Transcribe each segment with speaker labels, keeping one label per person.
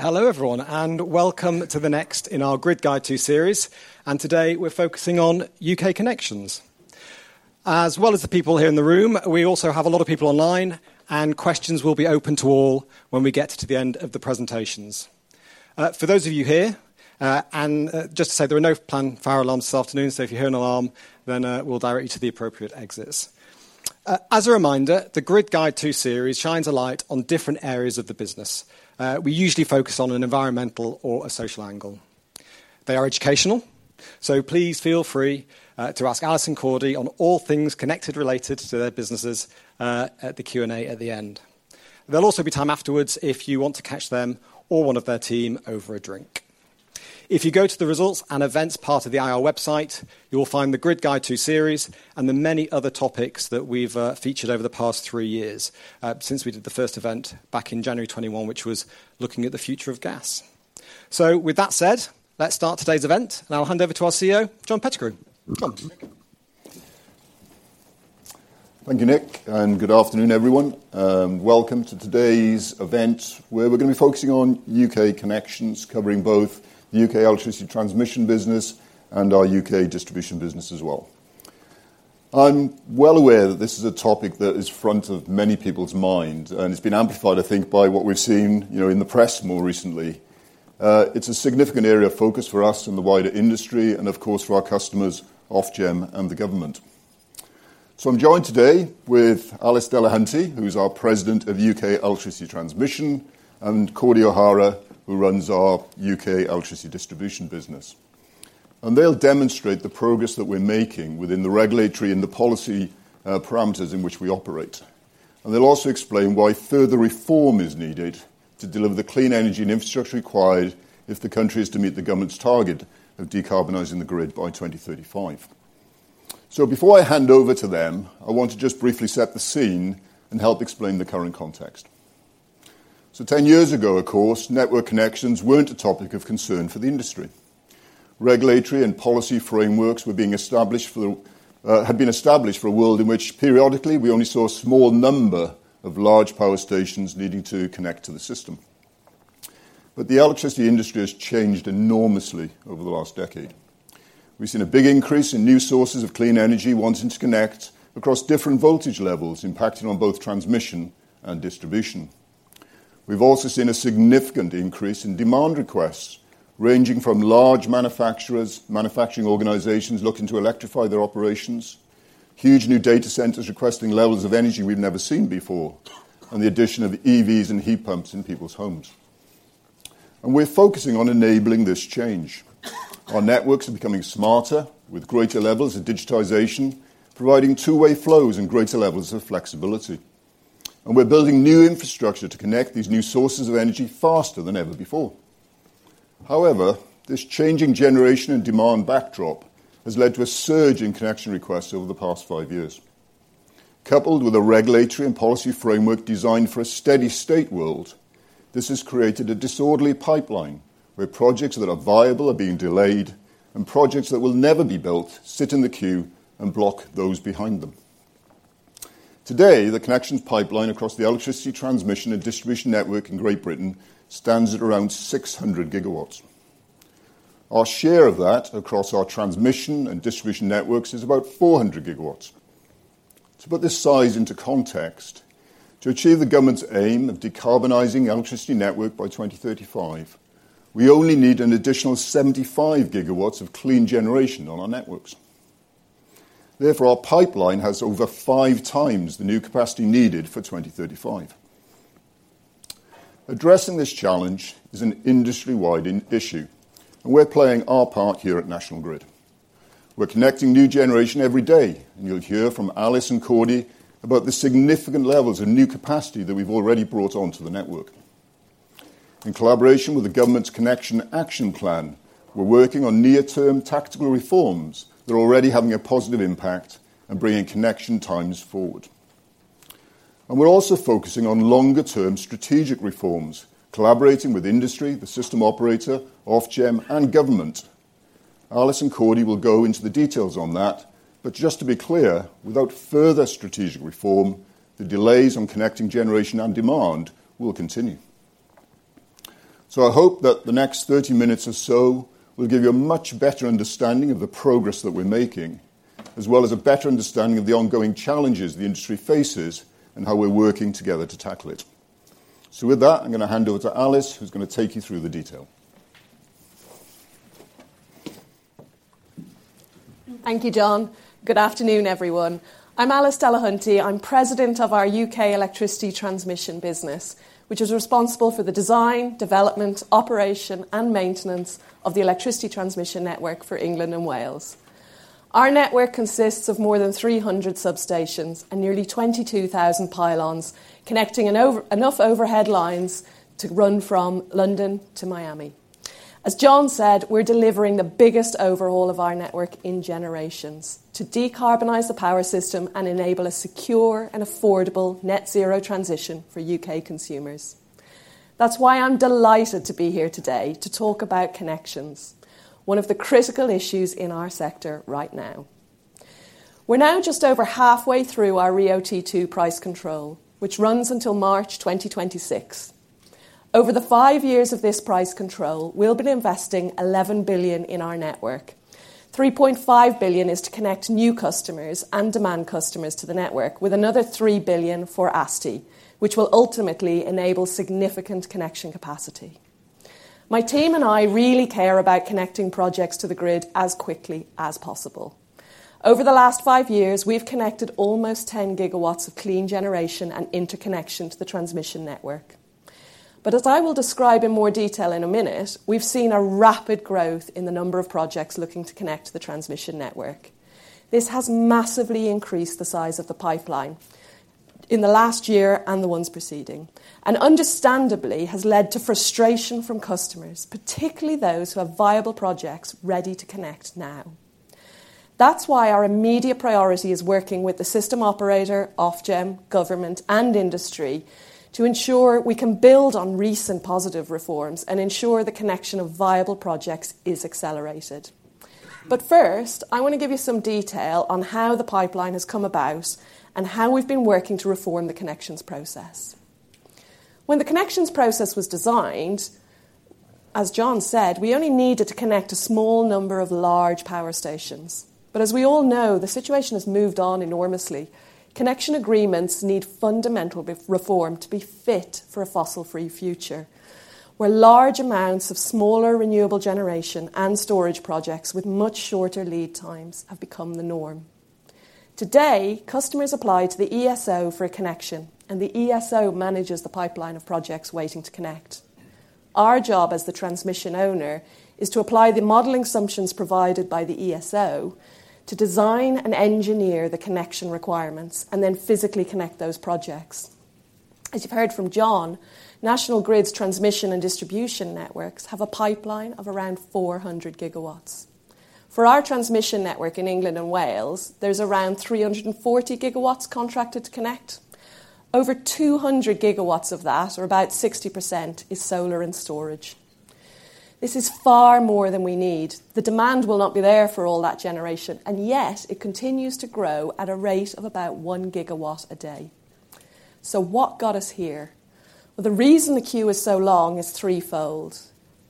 Speaker 1: Hello, everyone, and welcome to the next in our Grid Guide to series, and today we're focusing on U.K. connections. As well as the people here in the room, we also have a lot of people online, and questions will be open to all when we get to the end of the presentations. For those of you here, and just to say there are no planned fire alarms this afternoon, so if you hear an alarm, then we'll direct you to the appropriate exits. As a reminder, the Grid Guide to series shines a light on different areas of the business. We usually focus on an environmental or a social angle. They are educational, so please feel free to ask Alice and Cordi on all things connected related to their businesses at the Q&A at the end. There'll also be time afterwards if you want to catch them or one of their team over a drink. If you go to the Results and Events part of the IR website, you will find the Grid Guide to series and the many other topics that we've featured over the past three years since we did the first event back in January 2021, which was looking at the future of gas. So with that said, let's start today's event, and I'll hand over to our CEO, John Pettigrew. John.
Speaker 2: Thank you, Nick, and good afternoon, everyone. Welcome to today's event, where we're going to be focusing on U.K. connections, covering both U.K. Electricity Transmission business and our U.K. Distribution business as well. I'm well aware that this is a topic that is front of many people's mind, and it's been amplified, I think, by what we've seen, you know, in the press more recently. It's a significant area of focus for us and the wider industry and, of course, for our customers, Ofgem and the government. So I'm joined today with Alice Delahunty, who's our President of U.K. Electricity Transmission, and Cordi O'Hara, who runs our U.K. Electricity Distribution business. And they'll demonstrate the progress that we're making within the regulatory and the policy parameters in which we operate. They'll also explain why further reform is needed to deliver the clean energy and infrastructure required if the country is to meet the government's target of decarbonizing the grid by 2035. So before I hand over to them, I want to just briefly set the scene and help explain the current context. Ten years ago, of course, network connections weren't a topic of concern for the industry. Regulatory and policy frameworks had been established for a world in which periodically, we only saw a small number of large power stations needing to connect to the system. But the electricity industry has changed enormously over the last decade. We've seen a big increase in new sources of clean energy wanting to connect across different voltage levels, impacting on both transmission and distribution. We've also seen a significant increase in demand requests, ranging from large manufacturers, manufacturing organizations looking to electrify their operations, huge new data centers requesting levels of energy we've never seen before, and the addition of EVs and heat pumps in people's homes. We're focusing on enabling this change. Our networks are becoming smarter, with greater levels of digitization, providing two-way flows and greater levels of flexibility. We're building new infrastructure to connect these new sources of energy faster than ever before. However, this changing generation and demand backdrop has led to a surge in connection requests over the past five years. Coupled with a regulatory and policy framework designed for a steady state world, this has created a disorderly pipeline, where projects that are viable are being delayed and projects that will never be built sit in the queue and block those behind them. Today, the connections pipeline across the electricity transmission and distribution network in Great Britain stands at around 600 GW. Our share of that across our transmission and distribution networks is about 400 GW. To put this size into context, to achieve the government's aim of decarbonizing the electricity network by 2035, we only need an additional 75 GW of clean generation on our networks. Therefore, our pipeline has over 5x the new capacity needed for 2035. Addressing this challenge is an industry-wide issue, and we're playing our part here at National Grid. We're connecting new generation every day, and you'll hear from Alice and Cordi about the significant levels of new capacity that we've already brought onto the network. In collaboration with the government's Connections Action Plan, we're working on near-term tactical reforms that are already having a positive impact and bringing connection times forward. We're also focusing on longer-term strategic reforms, collaborating with industry, the System Operator, Ofgem, and government. Alice and Cordi will go into the details on that, but just to be clear, without further strategic reform, the delays on connecting generation and demand will continue. I hope that the next 30 minutes or so will give you a much better understanding of the progress that we're making, as well as a better understanding of the ongoing challenges the industry faces and how we're working together to tackle it. With that, I'm going to hand over to Alice, who's going to take you through the detail.
Speaker 3: Thank you, John. Good afternoon, everyone. I'm Alice Delahunty. I'm President of our U.K. Electricity Transmission business, which is responsible for the design, development, operation, and maintenance of the electricity transmission network for England and Wales. Our network consists of more than 300 substations and nearly 22,000 pylons, connecting enough overhead lines to run from London to Miami. As John said, we're delivering the biggest overhaul of our network in generations to decarbonize the power system and enable a secure and affordable net zero transition for U.K. consumers. That's why I'm delighted to be here today to talk about connections, one of the critical issues in our sector right now. We're now just over halfway through our RIIO-T2 price control, which runs until March 2026. Over the five years of this price control, we'll be investing 11 billion in our network. 3.5 billion is to connect new customers and demand customers to the network, with another 3 billion for ASTI, which will ultimately enable significant connection capacity. My team and I really care about connecting projects to the grid as quickly as possible. Over the last five years, we've connected almost 10 GW of clean generation and interconnection to the transmission network. But as I will describe in more detail in a minute, we've seen a rapid growth in the number of projects looking to connect to the transmission network. This has massively increased the size of the pipeline in the last year and the ones preceding, and understandably, has led to frustration from customers, particularly those who have viable projects ready to connect now. That's why our immediate priority is working with the System Operator, Ofgem, government, and industry to ensure we can build on recent positive reforms and ensure the connection of viable projects is accelerated. But first, I want to give you some detail on how the pipeline has come about and how we've been working to reform the connections process. When the connections process was designed, as John said, we only needed to connect a small number of large power stations. But as we all know, the situation has moved on enormously. Connection agreements need fundamental reform to be fit for a fossil-free future, where large amounts of smaller renewable generation and storage projects with much shorter lead times have become the norm. Today, customers apply to the ESO for a connection, and the ESO manages the pipeline of projects waiting to connect. Our job as the transmission owner is to apply the modeling assumptions provided by the ESO to design and engineer the connection requirements, and then physically connect those projects. As you've heard from John, National Grid's transmission and distribution networks have a pipeline of around 400 GW. For our transmission network in England and Wales, there's around 340 GW contracted to connect. Over 200 GW of that, or about 60%, is solar and storage. This is far more than we need. The demand will not be there for all that generation, and yet it continues to grow at a rate of about 1 GW a day. So what got us here? Well, the reason the queue is so long is threefold.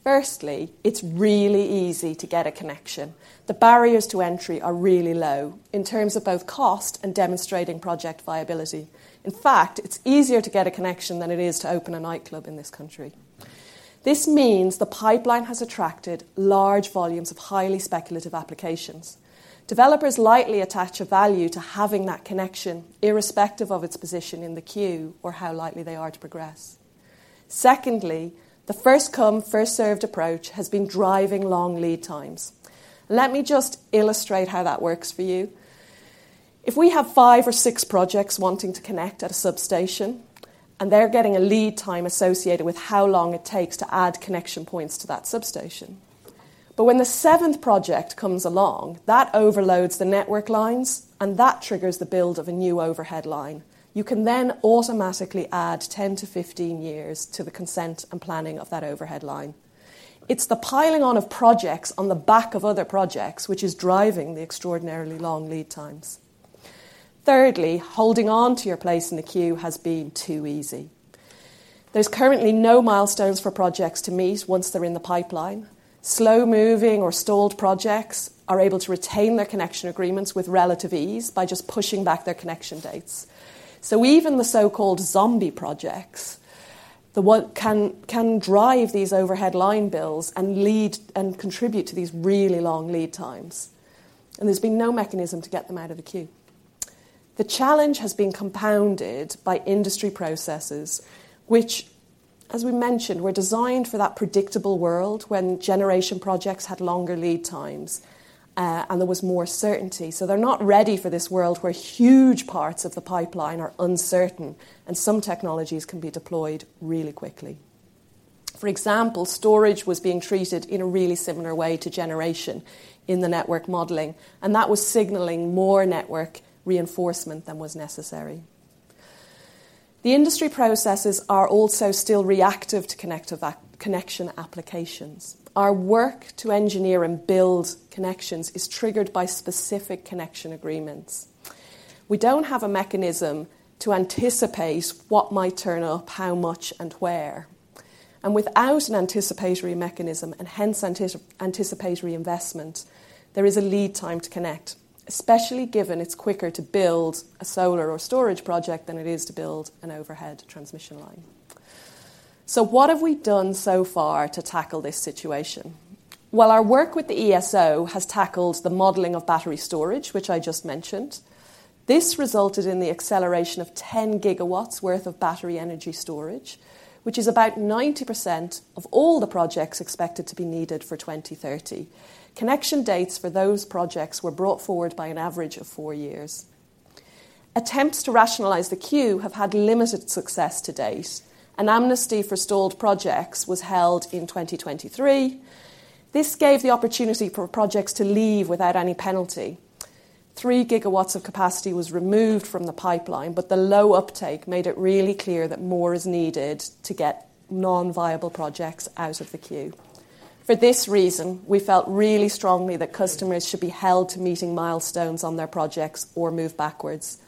Speaker 3: Firstly, it's really easy to get a connection. The barriers to entry are really low in terms of both cost and demonstrating project viability. In fact, it's easier to get a connection than it is to open a nightclub in this country. This means the pipeline has attracted large volumes of highly speculative applications. Developers lightly attach a value to having that connection, irrespective of its position in the queue or how likely they are to progress. Secondly, the first-come, first-served approach has been driving long lead times. Let me just illustrate how that works for you. If we have five or six projects wanting to connect at a substation, and they're getting a lead time associated with how long it takes to add connection points to that substation, but when the seventh project comes along, that overloads the network lines, and that triggers the build of a new overhead line. You can then automatically add 10-15 years to the consent and planning of that overhead line. It's the piling on of projects on the back of other projects, which is driving the extraordinarily long lead times. Thirdly, holding on to your place in the queue has been too easy. There's currently no milestones for projects to meet once they're in the pipeline. Slow-moving or stalled projects are able to retain their connection agreements with relative ease by just pushing back their connection dates. So even the so-called zombie projects can drive these overhead line bills and lead and contribute to these really long lead times, and there's been no mechanism to get them out of the queue. The challenge has been compounded by industry processes, which, as we mentioned, were designed for that predictable world when generation projects had longer lead times, and there was more certainty. So they're not ready for this world, where huge parts of the pipeline are uncertain, and some technologies can be deployed really quickly. For example, storage was being treated in a really similar way to generation in the network modeling, and that was signaling more network reinforcement than was necessary. The industry processes are also still reactive to connection applications. Our work to engineer and build connections is triggered by specific connection agreements. We don't have a mechanism to anticipate what might turn up, how much, and where. Without an anticipatory mechanism, and hence anticipatory investment, there is a lead time to connect, especially given it's quicker to build a solar or storage project than it is to build an overhead transmission line. So what have we done so far to tackle this situation? Well, our work with the ESO has tackled the modeling of battery storage, which I just mentioned. This resulted in the acceleration of 10 GW worth of battery energy storage, which is about 90% of all the projects expected to be needed for 2030. Connection dates for those projects were brought forward by an average of four years. Attempts to rationalize the queue have had limited success to date. An amnesty for stalled projects was held in 2023. This gave the opportunity for projects to leave without any penalty. 3 GW of capacity was removed from the pipeline, but the low uptake made it really clear that more is needed to get non-viable projects out of the queue. For this reason, we felt really strongly that customers should be held to meeting milestones on their projects or move backwards.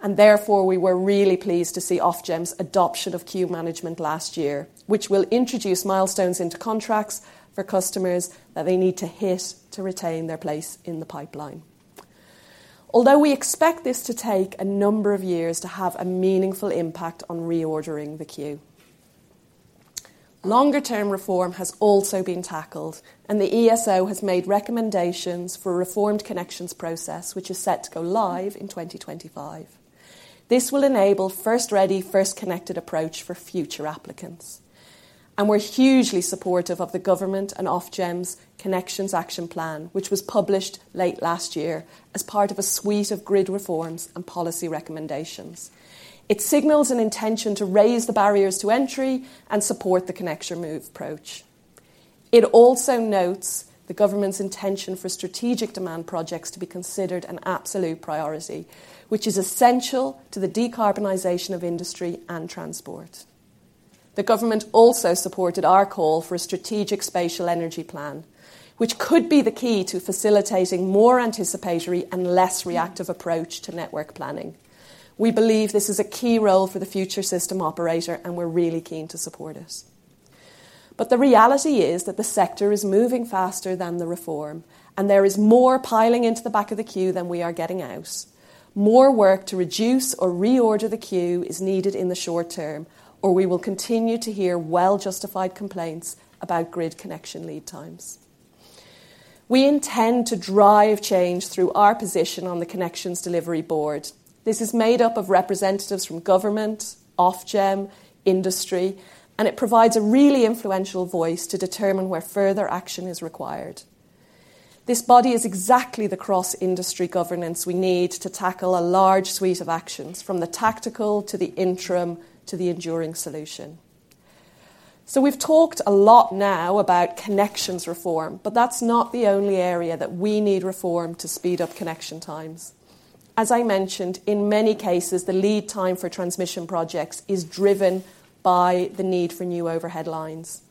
Speaker 3: And therefore, we were really pleased to see Ofgem's adoption of queue management last year, which will introduce milestones into contracts for customers that they need to hit to retain their place in the pipeline. Although we expect this to take a number of years to have a meaningful impact on reordering the queue. Longer-term reform has also been tackled, and the ESO has made recommendations for a reformed connections process, which is set to go live in 2025. This will enable first-ready, first-connected approach for future applicants, and we're hugely supportive of the government and Ofgem's Connections Action Plan, which was published late last year as part of a suite of grid reforms and policy recommendations. It signals an intention to raise the barriers to entry and support the Connect or Move approach. It also notes the government's intention for strategic demand projects to be considered an absolute priority, which is essential to the decarbonization of industry and transport. The government also supported our call for a Strategic Spatial Energy Plan, which could be the key to facilitating more anticipatory and less reactive approach to network planning. We believe this is a key role for the Future System Operator, and we're really keen to support it. But the reality is that the sector is moving faster than the reform, and there is more piling into the back of the queue than we are getting out. More work to reduce or reorder the queue is needed in the short term, or we will continue to hear well-justified complaints about grid connection lead times. We intend to drive change through our position on the Connections Delivery Board. This is made up of representatives from government, Ofgem, industry, and it provides a really influential voice to determine where further action is required. This body is exactly the cross-industry governance we need to tackle a large suite of actions, from the tactical to the interim to the enduring solution. So we've talked a lot now about connections reform, but that's not the only area that we need reform to speed up connection times. As I mentioned, in many cases, the lead time for transmission projects is driven by the need for new overhead lines.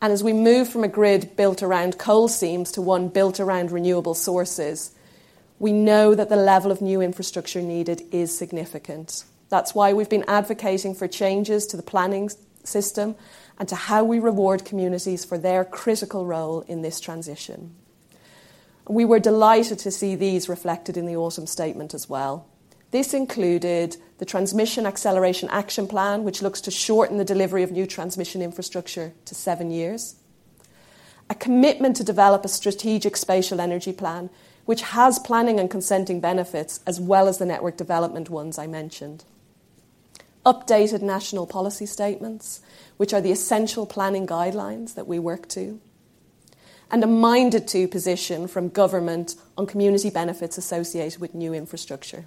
Speaker 3: And as we move from a grid built around coal seams to one built around renewable sources, we know that the level of new infrastructure needed is significant. That's why we've been advocating for changes to the planning system and to how we reward communities for their critical role in this transition. We were delighted to see these reflected in the Autumn Statement as well. This included the Transmission Acceleration Action Plan, which looks to shorten the delivery of new transmission infrastructure to seven years, a commitment to develop a Strategic Spatial Energy Plan, which has planning and consenting benefits, as well as the network development ones I mentioned, updated National Policy Statements, which are the essential planning guidelines that we work to, and a minded-to position from government on community benefits associated with new infrastructure.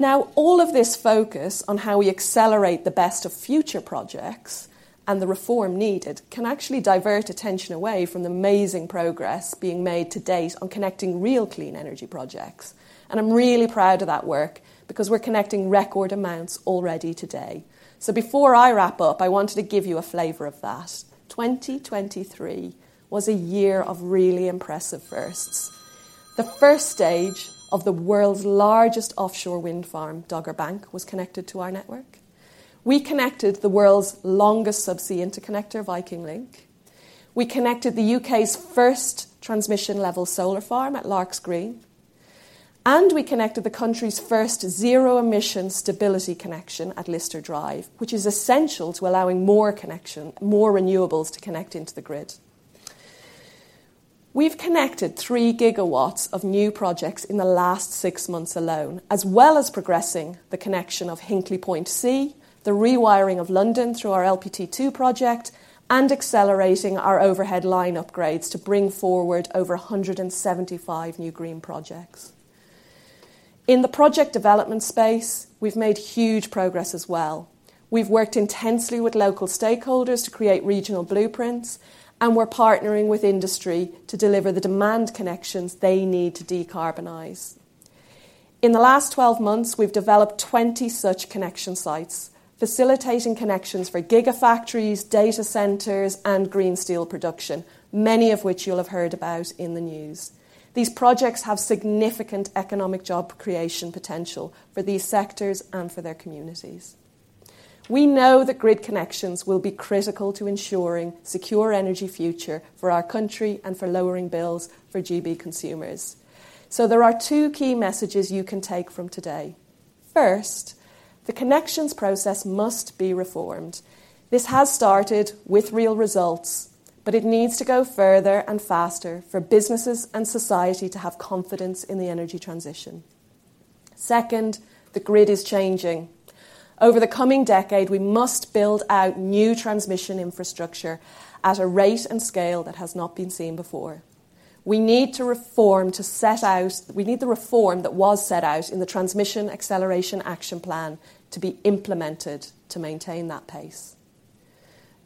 Speaker 3: Now, all of this focus on how we accelerate the best of future projects and the reform needed can actually divert attention away from the amazing progress being made to date on connecting real clean energy projects. I'm really proud of that work because we're connecting record amounts already today. Before I wrap up, I wanted to give you a flavor of that. 2023 was a year of really impressive firsts. The first stage of the world's largest offshore wind farm, Dogger Bank, was connected to our network. We connected the world's longest subsea interconnector, Viking Link. We connected the U.K.'s first transmission-level solar farm at Larks Green, and we connected the country's first zero-emission stability connection at Lister Drive, which is essential to allowing more connection, more renewables to connect into the grid. We've connected 3 GW of new projects in the last six months alone, as well as progressing the connection of Hinkley Point C, the rewiring of London through our LPT2 project, and accelerating our overhead line upgrades to bring forward over 175 new green projects. In the project development space, we've made huge progress as well. We've worked intensely with local stakeholders to create regional blueprints, and we're partnering with industry to deliver the demand connections they need to decarbonize. In the last 12 months, we've developed 20 such connection sites, facilitating connections for gigafactories, data centers, and green steel production, many of which you'll have heard about in the news. These projects have significant economic job creation potential for these sectors and for their communities. We know that grid connections will be critical to ensuring secure energy future for our country and for lowering bills for GB consumers. So there are two key messages you can take from today. First, the connections process must be reformed. This has started with real results, but it needs to go further and faster for businesses and society to have confidence in the energy transition. Second, the grid is changing. Over the coming decade, we must build out new transmission infrastructure at a rate and scale that has not been seen before. We need the reform that was set out in the Transmission Acceleration Action Plan to be implemented to maintain that pace.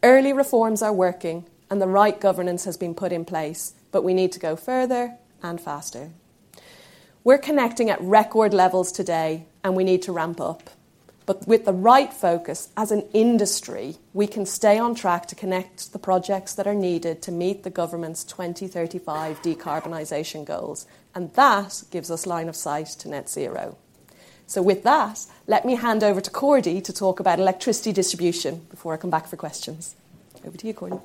Speaker 3: Early reforms are working, and the right governance has been put in place, but we need to go further and faster. We're connecting at record levels today, and we need to ramp up. But with the right focus as an industry, we can stay on track to connect the projects that are needed to meet the government's 2035 decarbonization goals, and that gives us line of sight to net zero. So with that, let me hand over to Cordi to talk about electricity distribution before I come back for questions. Over to you, Cordi.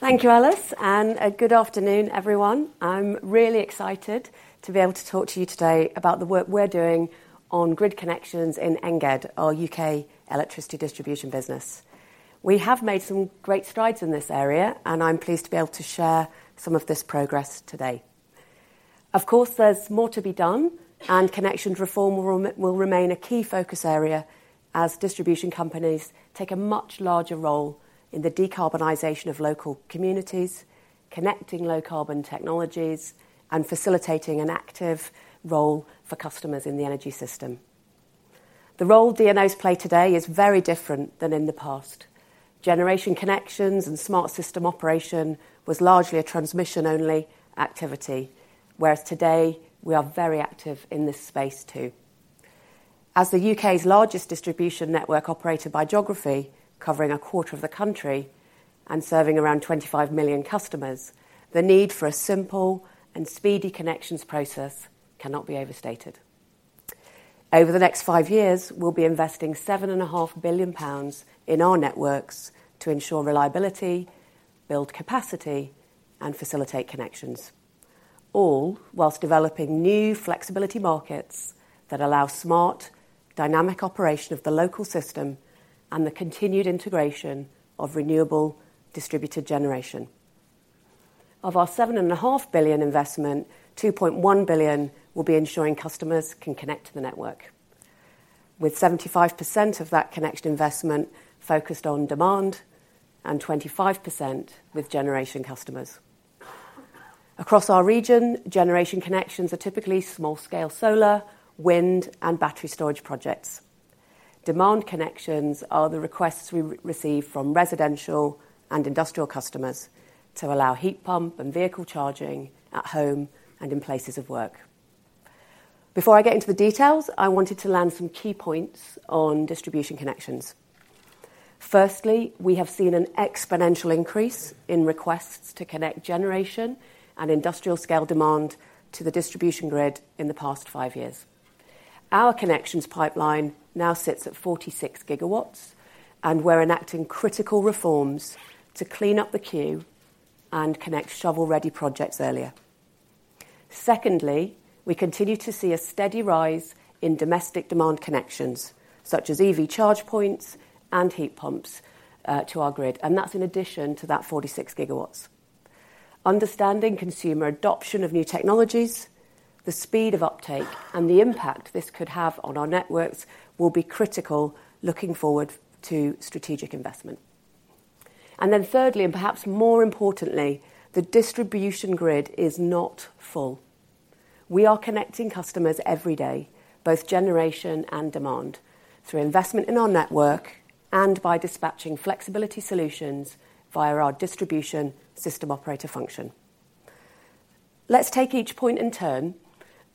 Speaker 4: Thank you, Alice, and good afternoon, everyone. I'm really excited to be able to talk to you today about the work we're doing on grid connections in NGED, our U.K. Electricity Distribution business. We have made some great strides in this area, and I'm pleased to be able to share some of this progress today. Of course, there's more to be done, and connection reform will remain a key focus area as distribution companies take a much larger role in the decarbonization of local communities, connecting low-carbon technologies, and facilitating an active role for customers in the energy system. The role DNOs play today is very different than in the past. Generation connections and smart system operation was largely a transmission-only activity, whereas today, we are very active in this space, too. As the U.K.'s largest distribution network operator by geography, covering a quarter of the country and serving around 25 million customers, the need for a simple and speedy connections process cannot be overstated. Over the next five years, we'll be investing 7.5 billion pounds in our networks to ensure reliability, build capacity, and facilitate connections, all whilst developing new flexibility markets that allow smart, dynamic operation of the local system and the continued integration of renewable distributed generation. Of our 7.5 billion investment, 2.1 billion will be ensuring customers can connect to the network, with 75% of that connection investment focused on demand and 25% with generation customers. Across our region, generation connections are typically small-scale solar, wind, and battery storage projects. Demand connections are the requests we receive from residential and industrial customers to allow heat pump and vehicle charging at home and in places of work. Before I get into the details, I wanted to land some key points on distribution connections. Firstly, we have seen an exponential increase in requests to connect generation and industrial-scale demand to the distribution grid in the past five years. Our connections pipeline now sits at 46 GW, and we're enacting critical reforms to clean up the queue and connect shovel-ready projects earlier. Secondly, we continue to see a steady rise in domestic demand connections, such as EV charge points and heat pumps to our grid, and that's in addition to that 46 GW. Understanding consumer adoption of new technologies, the speed of uptake, and the impact this could have on our networks will be critical looking forward to strategic investment. And then thirdly, and perhaps more importantly, the distribution grid is not full. We are connecting customers every day, both generation and demand, through investment in our network and by dispatching flexibility solutions via our Distribution System Operator function. Let's take each point in turn.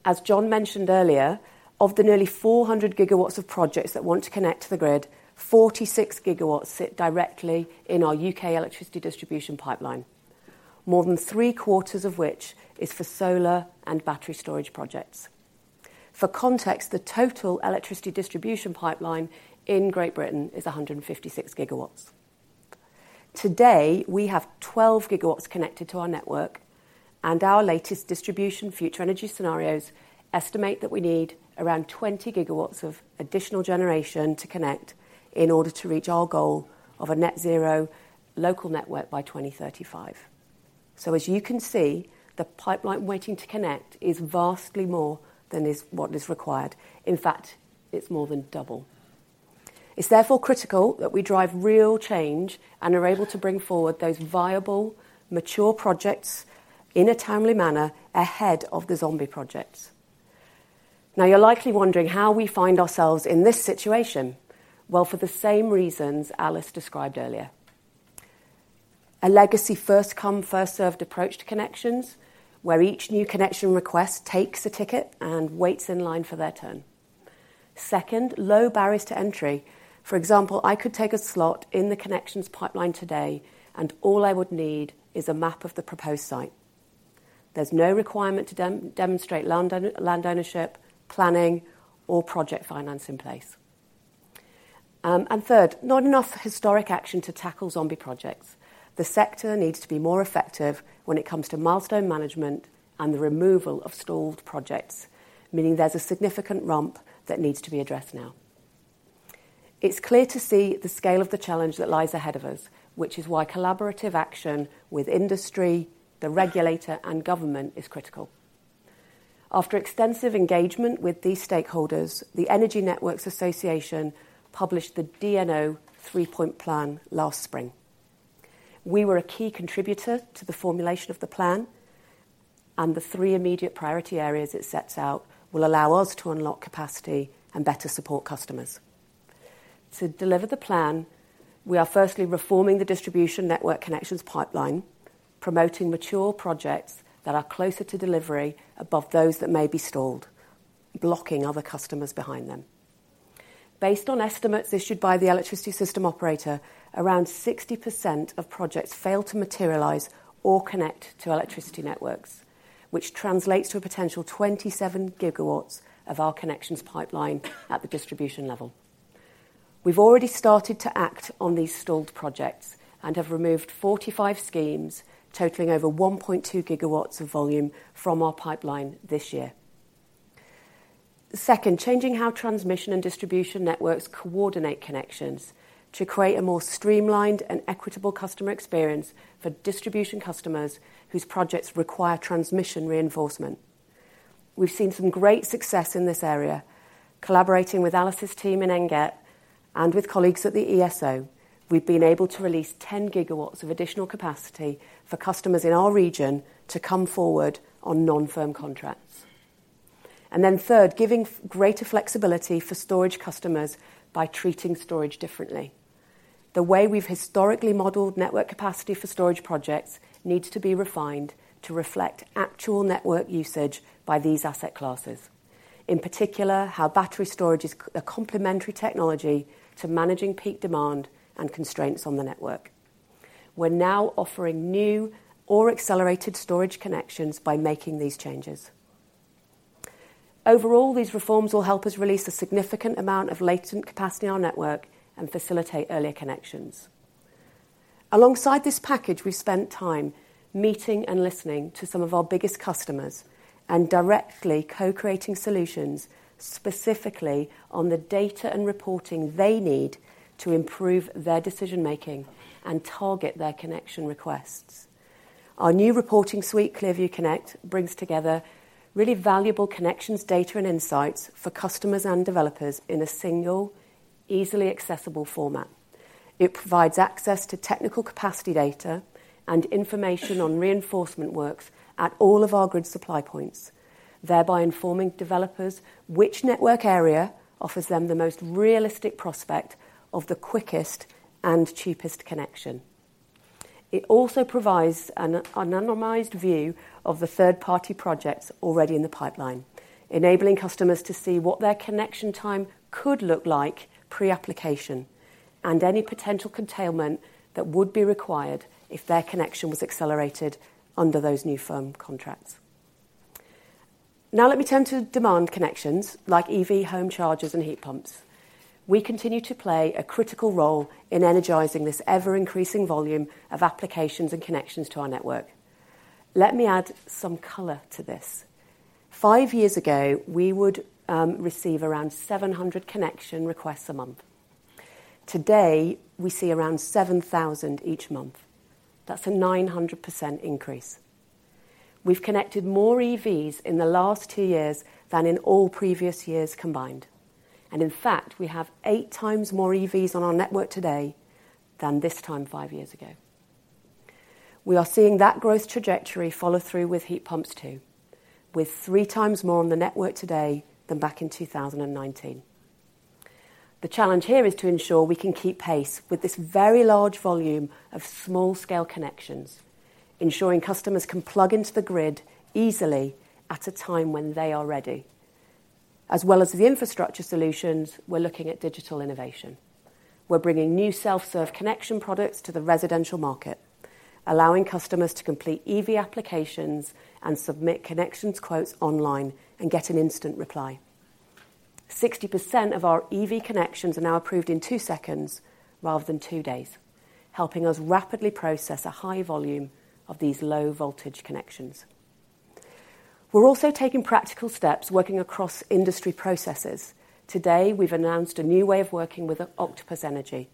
Speaker 4: As John mentioned earlier, of the nearly 400 GW of projects that want to connect to the grid, 46 GW sit directly in our U.K. Electricity Distribution pipeline, more than three-quarters of which is for solar and battery storage projects. For context, the total electricity distribution pipeline in Great Britain is 156 GW. Today, we have 12 GW connected to our network, and our latest Distribution Future Energy Scenarios estimate that we need around 20 GW of additional generation to connect in order to reach our goal of a Net Zero local network by 2035. So as you can see, the pipeline waiting to connect is vastly more than is what is required. In fact, it's more than double. It's therefore critical that we drive real change and are able to bring forward those viable, mature projects in a timely manner ahead of the zombie projects. Now, you're likely wondering how we find ourselves in this situation. Well, for the same reasons Alice described earlier: a legacy first-come, first-served approach to connections, where each new connection request takes a ticket and waits in line for their turn. Second, low barriers to entry. For example, I could take a slot in the connections pipeline today, and all I would need is a map of the proposed site. There's no requirement to demonstrate land ownership, planning, or project finance in place. And third, not enough historic action to tackle zombie projects. The sector needs to be more effective when it comes to milestone management and the removal of stalled projects, meaning there's a significant rump that needs to be addressed now. It's clear to see the scale of the challenge that lies ahead of us, which is why collaborative action with industry, the regulator, and government is critical. After extensive engagement with these stakeholders, the Energy Networks Association published the DNO three-point plan last spring. We were a key contributor to the formulation of the plan, and the three immediate priority areas it sets out will allow us to unlock capacity and better support customers.... To deliver the plan, we are firstly reforming the distribution network connections pipeline, promoting mature projects that are closer to delivery above those that may be stalled, blocking other customers behind them. Based on estimates issued by the Electricity System Operator, around 60% of projects fail to materialize or connect to electricity networks, which translates to a potential 27 GW of our connections pipeline at the distribution level. We've already started to act on these stalled projects and have removed 45 schemes, totaling over 1.2 GW of volume from our pipeline this year. Second, changing how transmission and distribution networks coordinate connections to create a more streamlined and equitable customer experience for distribution customers whose projects require transmission reinforcement. We've seen some great success in this area, collaborating with Alice's team in NGET and with colleagues at the ESO, we've been able to release 10 GW of additional capacity for customers in our region to come forward on non-firm contracts. And then third, giving greater flexibility for storage customers by treating storage differently. The way we've historically modeled network capacity for storage projects needs to be refined to reflect actual network usage by these asset classes. In particular, how battery storage is a complementary technology to managing peak demand and constraints on the network. We're now offering new or accelerated storage connections by making these changes. Overall, these reforms will help us release a significant amount of latent capacity on our network and facilitate earlier connections. Alongside this package, we've spent time meeting and listening to some of our biggest customers and directly co-creating solutions, specifically on the data and reporting they need to improve their decision-making and target their connection requests. Our new reporting suite, Clearview Connect, brings together really valuable connections data and insights for customers and developers in a single, easily accessible format. It provides access to technical capacity data and information on reinforcement works at all of our grid supply points, thereby informing developers which network area offers them the most realistic prospect of the quickest and cheapest connection. It also provides an anonymized view of the third-party projects already in the pipeline, enabling customers to see what their connection time could look like pre-application, and any potential curtailment that would be required if their connection was accelerated under those new firm contracts. Now, let me turn to demand connections like EV home chargers and heat pumps. We continue to play a critical role in energizing this ever-increasing volume of applications and connections to our network. Let me add some color to this. Five years ago, we would receive around 700 connection requests a month. Today, we see around 7,000 each month. That's a 900% increase. We've connected more EVs in the last two years than in all previous years combined, and in fact, we have 8x more EVs on our network today than this time five years ago. We are seeing that growth trajectory follow through with heat pumps, too, with 3x more on the network today than back in 2019. The challenge here is to ensure we can keep pace with this very large volume of small-scale connections, ensuring customers can plug into the grid easily at a time when they are ready. As well as the infrastructure solutions, we're looking at digital innovation. We're bringing new self-serve connection products to the residential market, allowing customers to complete EV applications and submit connections quotes online and get an instant reply. 60% of our EV connections are now approved in two seconds rather than two days, helping us rapidly process a high volume of these low-voltage connections. We're also taking practical steps working across industry processes. Today, we've announced a new way of working with Octopus Energy.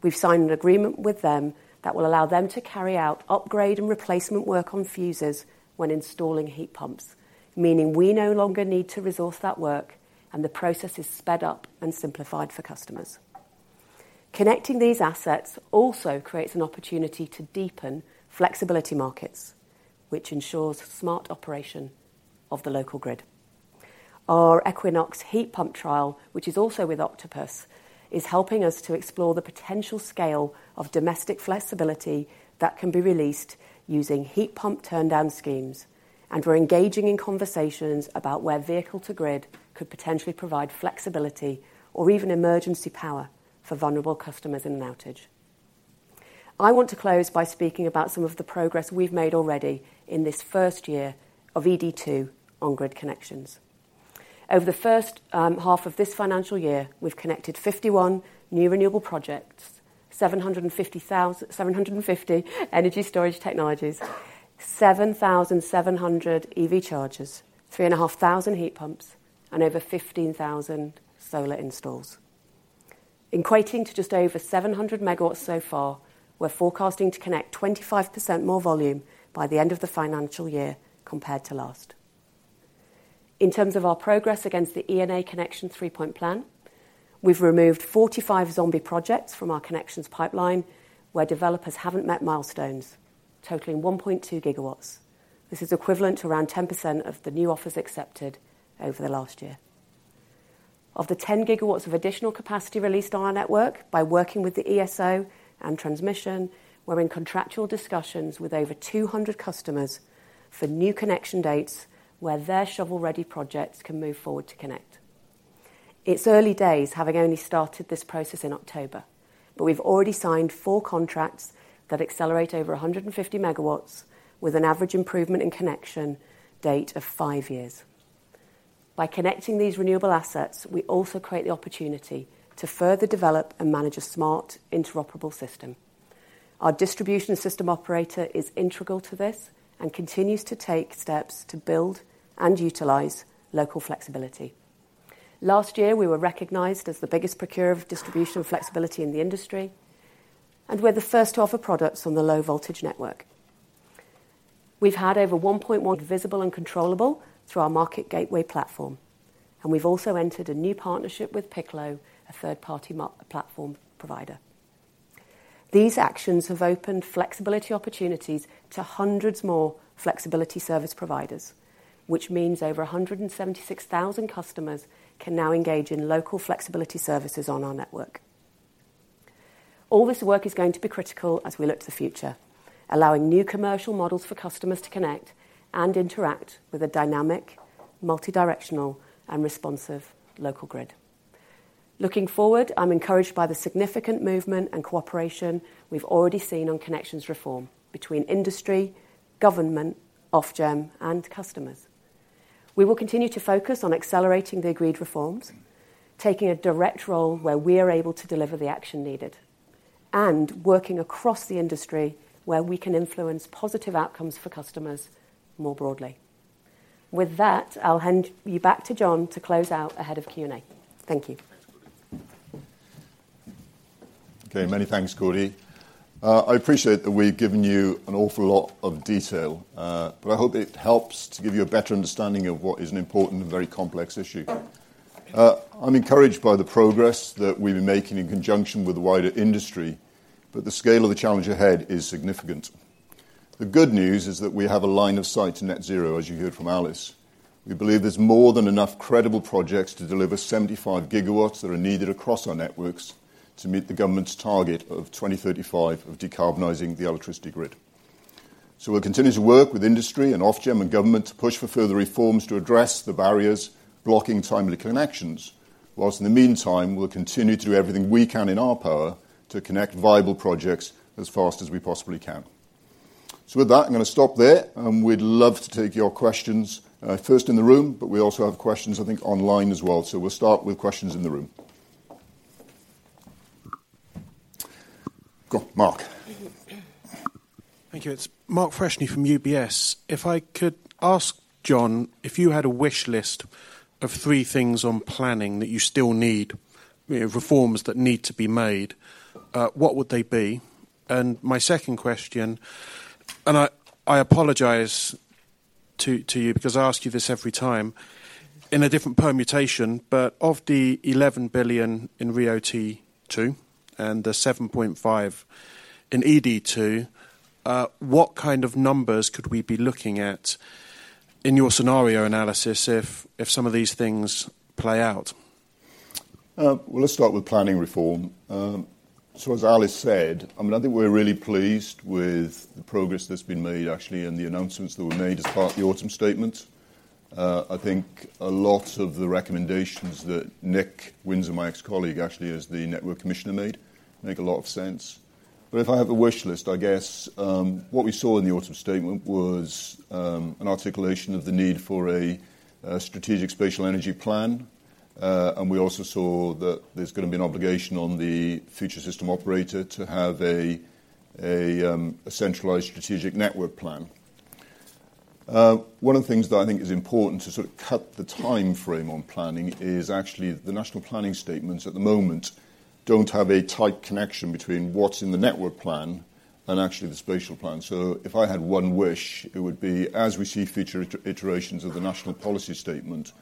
Speaker 4: We've signed an agreement with them that will allow them to carry out upgrade and replacement work on fuses when installing heat pumps, meaning we no longer need to resource that work, and the process is sped up and simplified for customers. Connecting these assets also creates an opportunity to deepen flexibility markets, which ensures smart operation of the local grid. Our Equinox heat pump trial, which is also with Octopus, is helping us to explore the potential scale of domestic flexibility that can be released using heat pump turndown schemes, and we're engaging in conversations about where vehicle to grid could potentially provide flexibility or even emergency power for vulnerable customers in an outage. I want to close by speaking about some of the progress we've made already in this first year of ED2 on grid connections. Over the first half of this financial year, we've connected 51 new renewable projects, 750 energy storage technologies, 7,700 EV chargers, 3,500 heat pumps, and over 15,000 solar installs. Equating to just over 700 MW so far, we're forecasting to connect 25% more volume by the end of the financial year compared to last. In terms of our progress against the ENA Connection three-point plan, we've removed 45 zombie projects from our connections pipeline, where developers haven't met milestones, totaling 1.2 GW. This is equivalent to around 10% of the new offers accepted over the last year. Of the 10 GW of additional capacity released on our network by working with the ESO and transmission, we're in contractual discussions with over 200 customers for new connection dates, where their shovel-ready projects can move forward to connect. It's early days, having only started this process in October, but we've already signed four contracts that accelerate over 150 MW, with an average improvement in connection date of five years. By connecting these renewable assets, we also create the opportunity to further develop and manage a smart, interoperable system. Our Distribution System Operator is integral to this and continues to take steps to build and utilize local flexibility. Last year, we were recognized as the biggest procurer of distribution flexibility in the industry, and we're the first to offer products on the low voltage network. We've had over 1.1 visible and controllable through our Market Gateway platform, and we've also entered a new partnership with Piclo, a third-party market platform provider. These actions have opened flexibility opportunities to hundreds more flexibility service providers, which means over 176,000 customers can now engage in local flexibility services on our network. All this work is going to be critical as we look to the future, allowing new commercial models for customers to connect and interact with a dynamic, multidirectional, and responsive local grid. Looking forward, I'm encouraged by the significant movement and cooperation we've already seen on connections reform between industry, government, Ofgem, and customers. We will continue to focus on accelerating the agreed reforms, taking a direct role where we are able to deliver the action needed, and working across the industry where we can influence positive outcomes for customers more broadly. With that, I'll hand you back to John to close out ahead of Q&A. Thank you.
Speaker 2: Okay, many thanks, Cordi. I appreciate that we've given you an awful lot of detail, but I hope it helps to give you a better understanding of what is an important and very complex issue. I'm encouraged by the progress that we've been making in conjunction with the wider industry, but the scale of the challenge ahead is significant. The good news is that we have a line of sight to Net Zero, as you heard from Alice. We believe there's more than enough credible projects to deliver 75 GW that are needed across our networks to meet the government's target of 2035 of decarbonizing the electricity grid. So we'll continue to work with industry and Ofgem and government to push for further reforms to address the barriers blocking timely connections, whilst in the meantime, we'll continue to do everything we can in our power to connect viable projects as fast as we possibly can. So with that, I'm gonna stop there, and we'd love to take your questions, first in the room, but we also have questions, I think, online as well. So we'll start with questions in the room. Go, Mark.
Speaker 5: Thank you. It's Mark Freshney from UBS. If I could ask John, if you had a wish list of three things on planning that you still need, you know, reforms that need to be made, what would they be? And my second question, and I, I apologize to, to you because I ask you this every time in a different permutation, but of the 11 billion in RIIO-T2 and the 7.5 billion in ED2, what kind of numbers could we be looking at in your scenario analysis if, if some of these things play out?
Speaker 2: Well, let's start with planning reform. So as Alice said, I mean, I think we're really pleased with the progress that's been made actually, and the announcements that were made as part of the Autumn Statement. I think a lot of the recommendations that Nick Winser, my ex-colleague, actually, as the Network Commissioner made, make a lot of sense. But if I have a wish list, I guess, what we saw in the Autumn Statement was, an articulation of the need for a, a Strategic Spatial Energy Plan, and we also saw that there's gonna be an obligation on the future System Operator to have a Centralised Strategic Network Plan. One of the things that I think is important to sort of cut the timeframe on planning is actually the National Policy Statements at the moment don't have a tight connection between what's in the network plan and actually the spatial plan. So if I had one wish, it would be, as we see future iterations of the National Policy Statement,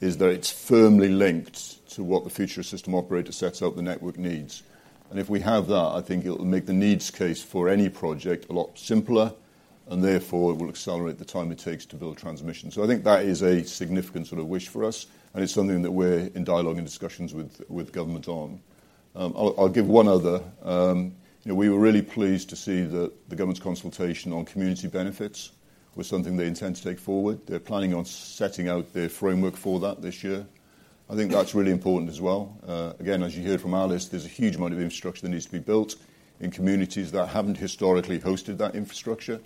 Speaker 2: is that it's firmly linked to what the Future System Operator sets up the network needs. And if we have that, I think it'll make the needs case for any project a lot simpler, and therefore, it will accelerate the time it takes to build transmission. So I think that is a significant sort of wish for us, and it's something that we're in dialogue and discussions with, with government on. I'll give one other. You know, we were really pleased to see that the government's consultation on community benefits was something they intend to take forward. They're planning on setting out their framework for that this year. I think that's really important as well. Again, as you heard from Alice, there's a huge amount of infrastructure that needs to be built in communities that haven't historically hosted that infrastructure,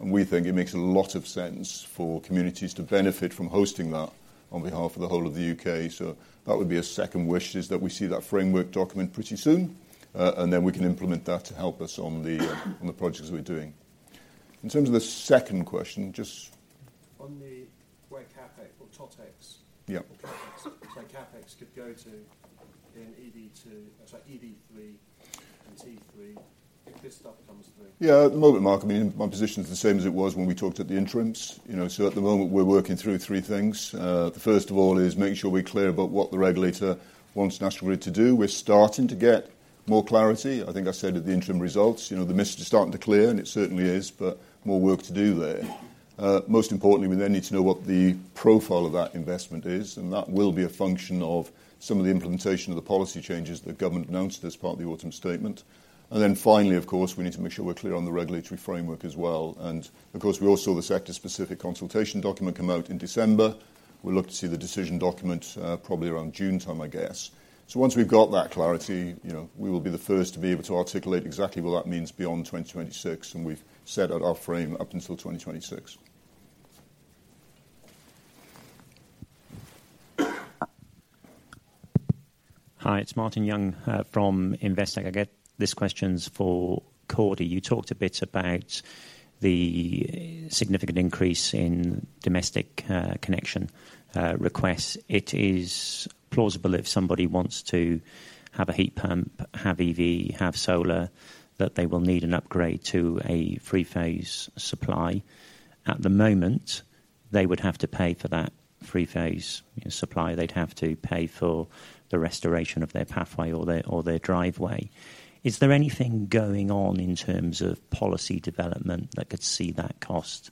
Speaker 2: and we think it makes a lot of sense for communities to benefit from hosting that on behalf of the whole of the U.K. So that would be a second wish, is that we see that framework document pretty soon, and then we can implement that to help us on the, on the projects we're doing. In terms of the second question, just-
Speaker 5: On the where CapEx or Totex-
Speaker 2: Yeah...
Speaker 5: so CapEx could go to in ED2, sorry, ED3 and T3, if this stuff comes through.
Speaker 2: Yeah, at the moment, Mark, I mean, my position is the same as it was when we talked at the interims. You know, so at the moment, we're working through three things. The first of all is making sure we're clear about what the regulator wants National Grid to do. We're starting to get more clarity. I think I said at the interim results, you know, the mist is starting to clear, and it certainly is, but more work to do there. Most importantly, we then need to know what the profile of that investment is, and that will be a function of some of the implementation of the policy changes the government announced as part of the Autumn Statement. And then finally, of course, we need to make sure we're clear on the regulatory framework as well. Of course, we all saw the sector-specific consultation document come out in December. We look to see the decision document, probably around June time, I guess. Once we've got that clarity, you know, we will be the first to be able to articulate exactly what that means beyond 2026, and we've set out our frame up until 2026.
Speaker 6: Hi, it's Martin Young from Investec. I get, this question's for Cordi. You talked a bit about the significant increase in domestic connection requests. It is plausible if somebody wants to have a heat pump, have EV, have solar, that they will need an upgrade to a three-phase supply. At the moment, they would have to pay for that three-phase supply. They'd have to pay for the restoration of their pathway or their driveway. Is there anything going on in terms of policy development that could see that cost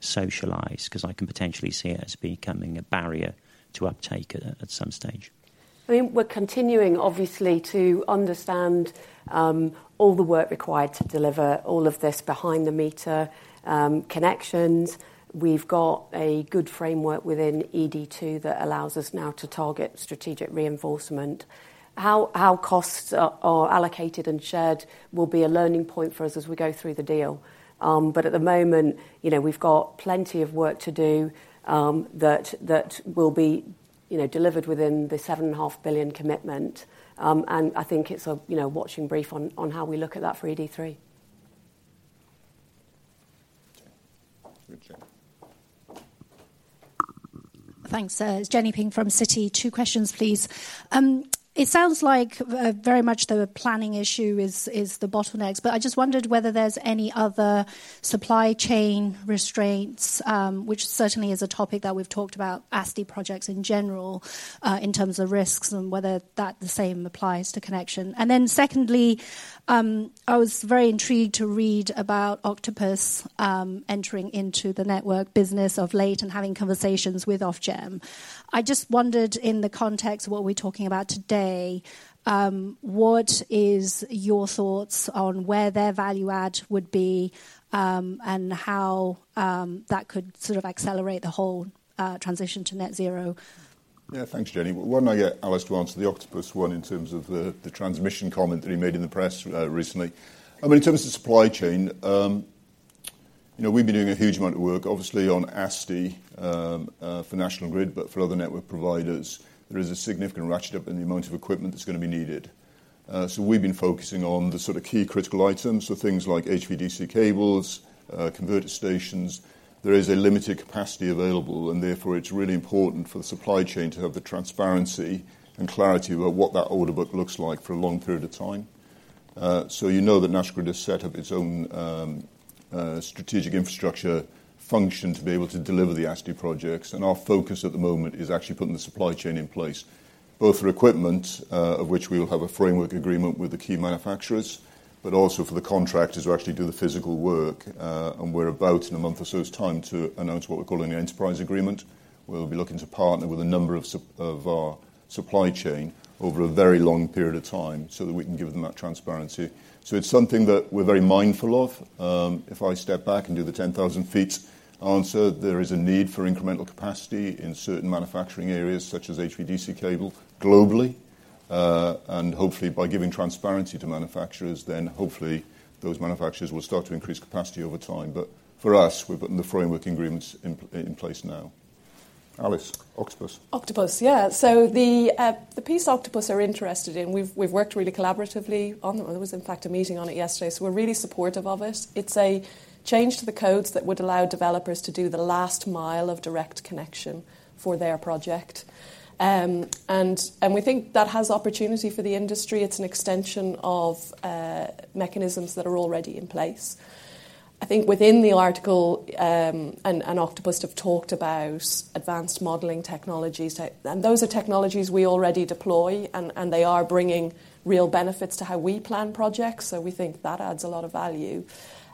Speaker 6: socialized? 'Cause I can potentially see it as becoming a barrier to uptake at some stage.
Speaker 4: We're continuing, obviously, to understand all the work required to deliver all of this behind-the-meter connections. We've got a good framework within ED2 that allows us now to target strategic reinforcement. How costs are allocated and shared will be a learning point for us as we go through the deal. But at the moment, you know, we've got plenty of work to do that will be, you know, delivered within the 7.5 billion commitment. And I think it's a, you know, watching brief on how we look at that for ED3.
Speaker 2: Okay.
Speaker 7: Thanks. It's Jenny Ping from Citi. Two questions, please. It sounds like very much the planning issue is the bottlenecks, but I just wondered whether there's any other supply chain restraints, which certainly is a topic that we've talked about, ASTI projects in general, in terms of risks and whether that the same applies to connection. And then secondly, I was very intrigued to read about Octopus entering into the network business of late and having conversations with Ofgem. I just wondered in the context of what we're talking about today, what is your thoughts on where their value add would be, and how that could sort of accelerate the whole transition to Net Zero?
Speaker 2: Yeah, thanks, Jenny. Why don't I get Alice to answer the Octopus one in terms of the transmission comment that he made in the press recently? I mean, in terms of supply chain, you know, we've been doing a huge amount of work, obviously, on ASTI for National Grid, but for other network providers, there is a significant ratchet up in the amount of equipment that's gonna be needed. So we've been focusing on the sort of key critical items, so things like HVDC cables, converter stations. There is a limited capacity available, and therefore, it's really important for the supply chain to have the transparency and clarity about what that order book looks like for a long period of time. So you know that National Grid has set up its own, strategic infrastructure function to be able to deliver the ASTI projects, and our focus at the moment is actually putting the supply chain in place, both for equipment, of which we will have a framework agreement with the key manufacturers, but also for the contractors who actually do the physical work, and we're about, in a month or so's time, to announce what we're calling an enterprise agreement, where we'll be looking to partner with a number of our supply chain over a very long period of time so that we can give them that transparency. So it's something that we're very mindful of. If I step back and do the 10,000 ft answer, there is a need for incremental capacity in certain manufacturing areas, such as HVDC cable globally, and hopefully, by giving transparency to manufacturers, then hopefully those manufacturers will start to increase capacity over time. But for us, we're putting the framework agreements in place now. Alice, Octopus.
Speaker 3: Octopus, yeah. So the piece Octopus are interested in, we've worked really collaboratively on them. There was, in fact, a meeting on it yesterday, so we're really supportive of it. It's a change to the codes that would allow developers to do the last mile of direct connection for their project. And we think that has opportunity for the industry. It's an extension of mechanisms that are already in place. I think within the article, and Octopus have talked about advanced modeling technologies, and those are technologies we already deploy, and they are bringing real benefits to how we plan projects, so we think that adds a lot of value.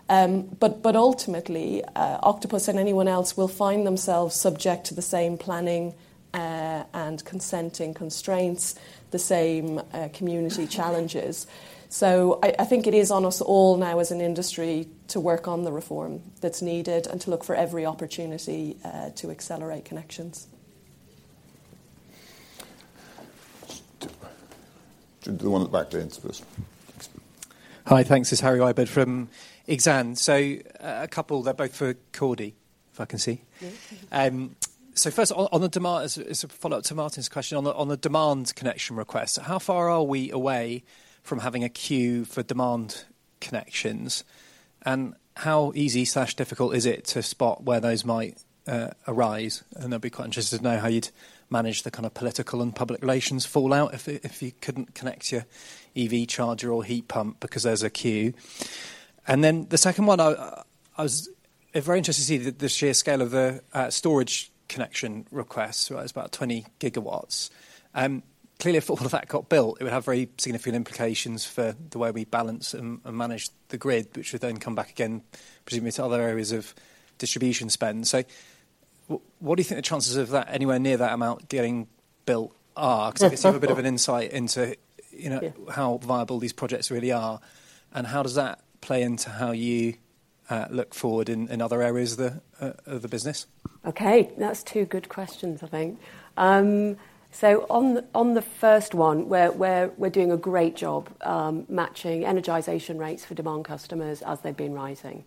Speaker 3: But ultimately, Octopus and anyone else will find themselves subject to the same planning and consenting constraints, the same community challenges. So I think it is on us all now as an industry to work on the reform that's needed and to look for every opportunity to accelerate connections.
Speaker 2: The one at the back there first.
Speaker 8: Hi, thanks. It's Harry Wyburd from Exane. So, a couple, they're both for Cordi, if I can see. So first, on the demand, as a follow-up to Martin's question, on the demand connection request, how far are we away from having a queue for demand connections? And how easy/difficult is it to spot where those might arise? And I'd be quite interested to know how you'd manage the kind of political and public relations fallout if you couldn't connect your EV charger or heat pump because there's a queue. And then the second one, I was very interested to see the sheer scale of the storage connection request, right? It was about 20 GW. Clearly, if all of that got built, it would have very significant implications for the way we balance and manage the grid, which would then come back again, presumably to other areas of distribution spend. So what do you think the chances of that, anywhere near that amount getting built are? 'Cause it's a bit of an insight into, you know-
Speaker 4: Yeah
Speaker 8: -how viable these projects really are, and how does that play into how you look forward in other areas of the business?
Speaker 4: Okay, that's two good questions, I think. So on the first one, we're doing a great job matching energization rates for demand customers as they've been rising.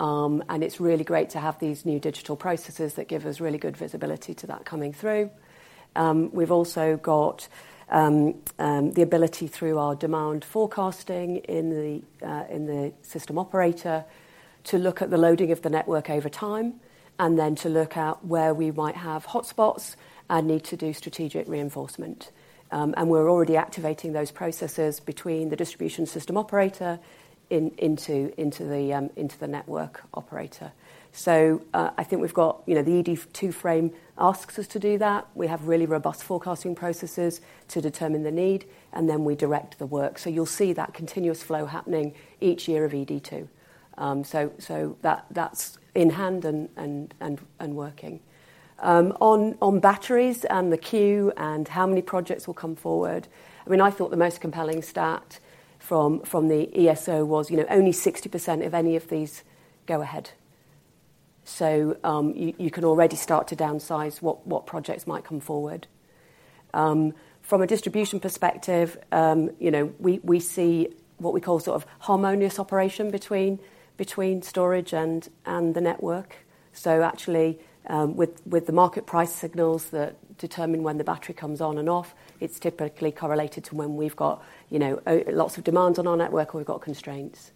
Speaker 4: And it's really great to have these new digital processes that give us really good visibility to that coming through. We've also got the ability through our demand forecasting in the System Operator to look at the loading of the network over time, and then to look at where we might have hotspots and need to do strategic reinforcement. And we're already activating those processes between the Distribution System Operator into the network operator. So, I think we've got, you know, the ED2 frame asks us to do that. We have really robust forecasting processes to determine the need, and then we direct the work. So you'll see that continuous flow happening each year of ED2. That's in hand and working. On batteries and the queue and how many projects will come forward, I mean, I thought the most compelling stat from the ESO was, you know, only 60% of any of these go ahead. So you can already start to downsize what projects might come forward. From a distribution perspective, you know, we see what we call sort of harmonious operation between storage and the network. So actually, with the market price signals that determine when the battery comes on and off, it's typically correlated to when we've got, you know, lots of demands on our network or we've got constraints.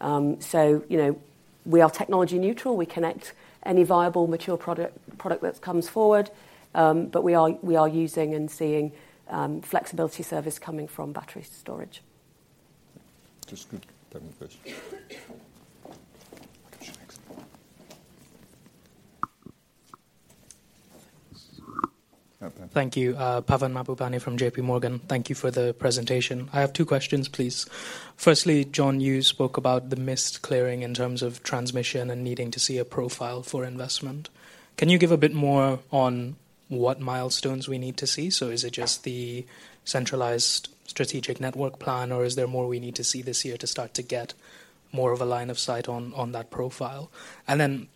Speaker 4: So, you know, we are technology neutral. We connect any viable, mature product that comes forward, but we are using and seeing flexibility service coming from battery storage.
Speaker 2: Just good technical questions. Next. Yeah.
Speaker 9: Thank you. Pavan Mahbubani from JPMorgan. Thank you for the presentation. I have two questions, please. Firstly, John, you spoke about the mist clearing in terms of transmission and needing to see a profile for investment. Can you give a bit more on what milestones we need to see? So is it just the Centralised Strategic Network Plan, or is there more we need to see this year to start to get more of a line of sight on, on that profile? And then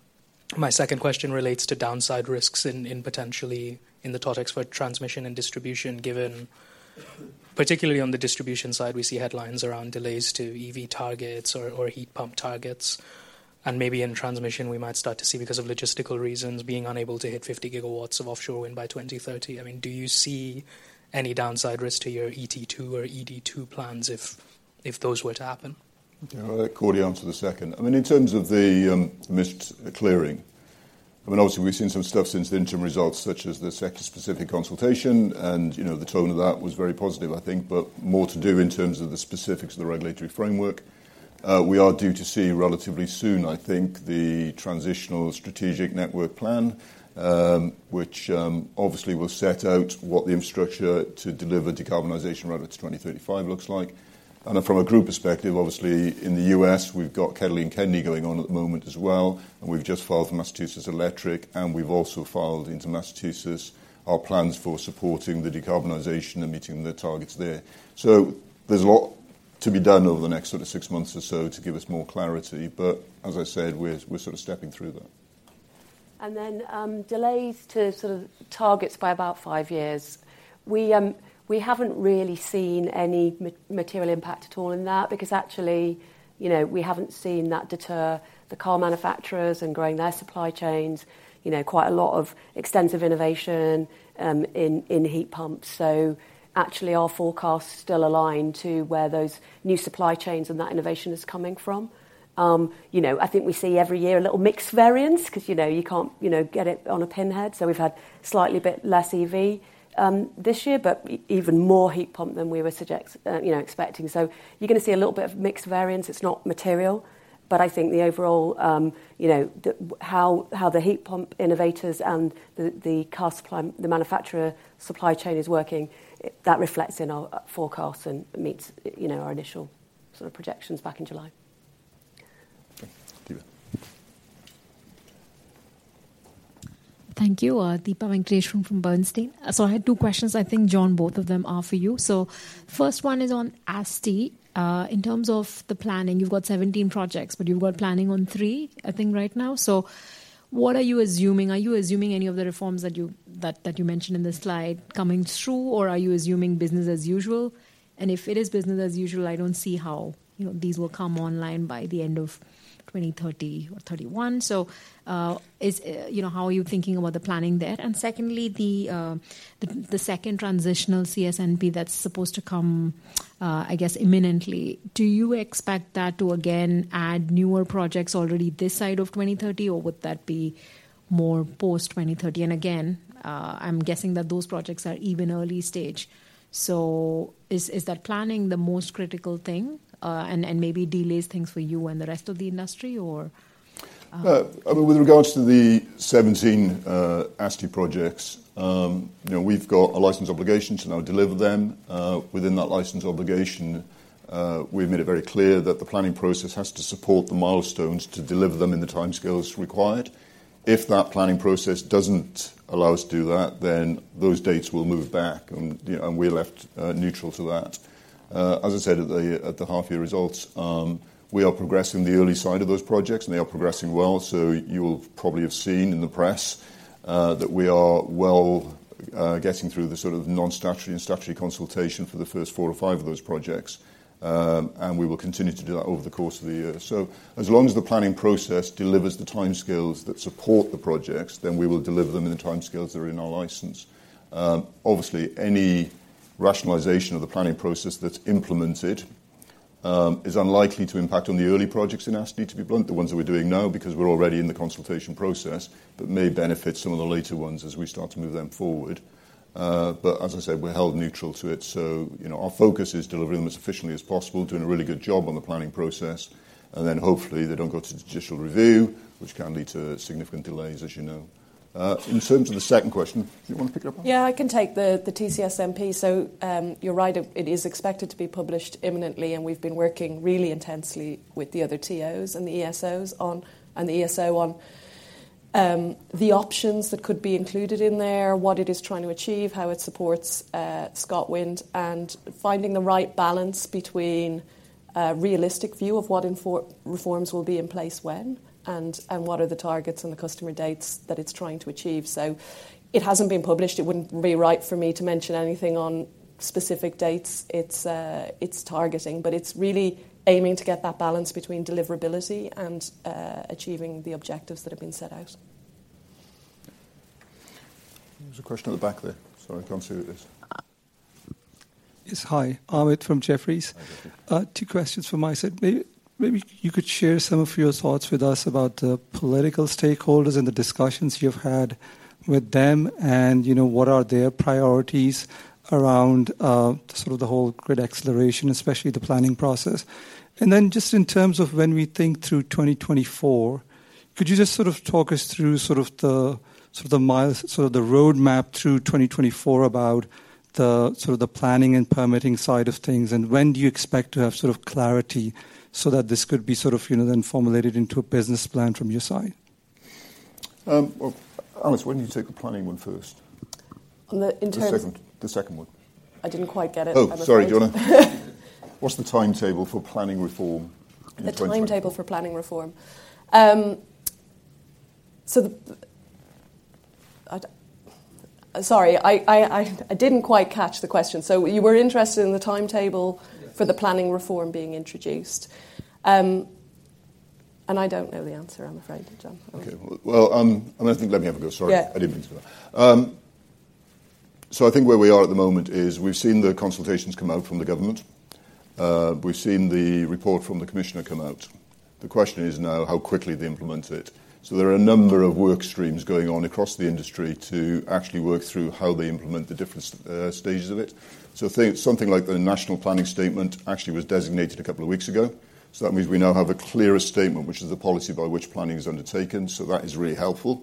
Speaker 9: my second question relates to downside risks in potentially in the Totex for transmission and distribution, given... Particularly on the distribution side, we see headlines around delays to EV targets or heat pump targets, and maybe in transmission, we might start to see, because of logistical reasons, being unable to hit 50 GW of offshore wind by 2030. I mean, do you see any downside risk to your ET2 or ED2 plans if those were to happen?
Speaker 2: Yeah, I'll let Cordi answer the second. I mean, in terms of the mist clearing, I mean, obviously, we've seen some stuff since the interim results, such as the sector-specific consultation, and, you know, the tone of that was very positive, I think, but more to do in terms of the specifics of the regulatory framework. We are due to see relatively soon, I think, the Transitional Strategic Network Plan, which obviously will set out what the infrastructure to deliver decarbonization rather to 2035 looks like. And from a group perspective, obviously, in the U.S., we've got KEDLI and KEDNY going on at the moment as well, and we've just filed for Massachusetts Electric, and we've also filed into Massachusetts our plans for supporting the decarbonization and meeting the targets there. So there's a lot to be done over the next sort of six months or so to give us more clarity, but as I said, we're sort of stepping through that.
Speaker 4: And then, delays to sort of targets by about five years. We, we haven't really seen any material impact at all in that, because actually, you know, we haven't seen that deter the car manufacturers in growing their supply chains, you know, quite a lot of extensive innovation, in, in heat pumps. So actually, our forecasts still align to where those new supply chains and that innovation is coming from. You know, I think we see every year a little mixed variance, 'cause, you know, you can't, you know, get it on a pinhead. So we've had slightly bit less EV, this year, but even more heat pump than we were expecting. So you're gonna see a little bit of mixed variance. It's not material, but I think the overall, you know, the... how the heat pump innovators and the car supply, the manufacturer supply chain is working, that reflects in our forecasts and meets, you know, our initial sort of projections back in July.
Speaker 2: Okay. Deepa.
Speaker 10: Thank you. Deepa Venkateswaran from Bernstein. So I had two questions. I think, John, both of them are for you. So first one is on ASTI. In terms of the planning, you've got 17 projects, but you've got planning on three, I think, right now. So what are you assuming? Are you assuming any of the reforms that you mentioned in the slide coming through, or are you assuming business as usual? And if it is business as usual, I don't see how, you know, these will come online by the end of 2030 or 2031. So, you know, how are you thinking about the planning there? Secondly, the second transitional CSNP that's supposed to come, I guess, imminently, do you expect that to again add newer projects already this side of 2030, or would that be more post-2030? And again, I'm guessing that those projects are even early stage. So is that planning the most critical thing, and maybe delays things for you and the rest of the industry, or?
Speaker 2: I mean, with regards to the 17 ASTI projects, you know, we've got a license obligation to now deliver them. Within that license obligation, we've made it very clear that the planning process has to support the milestones to deliver them in the timescales required. If that planning process doesn't allow us to do that, then those dates will move back and, and we're left neutral to that. As I said, at the half-year results, we are progressing the early side of those projects, and they are progressing well. So you will probably have seen in the press that we are well getting through the sort of non-statutory and statutory consultation for the first four or five of those projects. And we will continue to do that over the course of the year. So as long as the planning process delivers the timescales that support the projects, then we will deliver them in the timescales that are in our license. Obviously, any rationalization of the planning process that's implemented is unlikely to impact on the early projects in ASTI, to be blunt, the ones that we're doing now, because we're already in the consultation process, but may benefit some of the later ones as we start to move them forward. But as I said, we're held neutral to it, so, you know, our focus is delivering them as efficiently as possible, doing a really good job on the planning process, and then hopefully, they don't go to judicial review, which can lead to significant delays, as you know. In terms of the second question, do you want to pick up on it?
Speaker 3: Yeah, I can take the tCSNP. So, you're right, it is expected to be published imminently, and we've been working really intensely with the other TOs and the ESO on the options that could be included in there, what it is trying to achieve, how it supports ScotWind, and finding the right balance between a realistic view of what infrastructure reforms will be in place when, and what are the targets and the customer dates that it's trying to achieve. So it hasn't been published. It wouldn't be right for me to mention anything on specific dates, it's targeting, but it's really aiming to get that balance between deliverability and achieving the objectives that have been set out.
Speaker 2: There's a question at the back there. Sorry, I can't see who it is.
Speaker 11: Yes, hi. Ahmed from Jefferies. Two questions from my side. Maybe you could share some of your thoughts with us about the political stakeholders and the discussions you've had with them, and, you know, what are their priorities around, sort of the whole grid acceleration, especially the planning process. And then just in terms of when we think through 2024, could you just sort of talk us through sort of the, sort of the miles, sort of the roadmap through 2024 about the, sort of the planning and permitting side of things, and when do you expect to have sort of clarity so that this could be sort of, you know, then formulated into a business plan from your side?
Speaker 2: Well, Alice, why don't you take the planning one first?
Speaker 3: On the, in terms-
Speaker 2: The second. The second one.
Speaker 3: I didn't quite get it, I'm afraid.
Speaker 2: Oh, sorry. Do you wanna... What's the timetable for planning reform in 2024?
Speaker 3: The timetable for planning reform. Sorry, I didn't quite catch the question. So you were interested in the timetable for the planning reform being introduced? I don't know the answer, I'm afraid, John.
Speaker 2: Okay. Well, and I think let me have a go. Sorry.
Speaker 3: Yeah.
Speaker 2: I didn't mean to do that. So I think where we are at the moment is we've seen the consultations come out from the government. We've seen the report from the commissioner come out. The question is now, how quickly they implement it? So there are a number of work streams going on across the industry to actually work through how they implement the different stages of it. So think something like the National Planning Statement actually was designated a couple of weeks ago. So that means we now have a clearer statement, which is the policy by which planning is undertaken, so that is really helpful.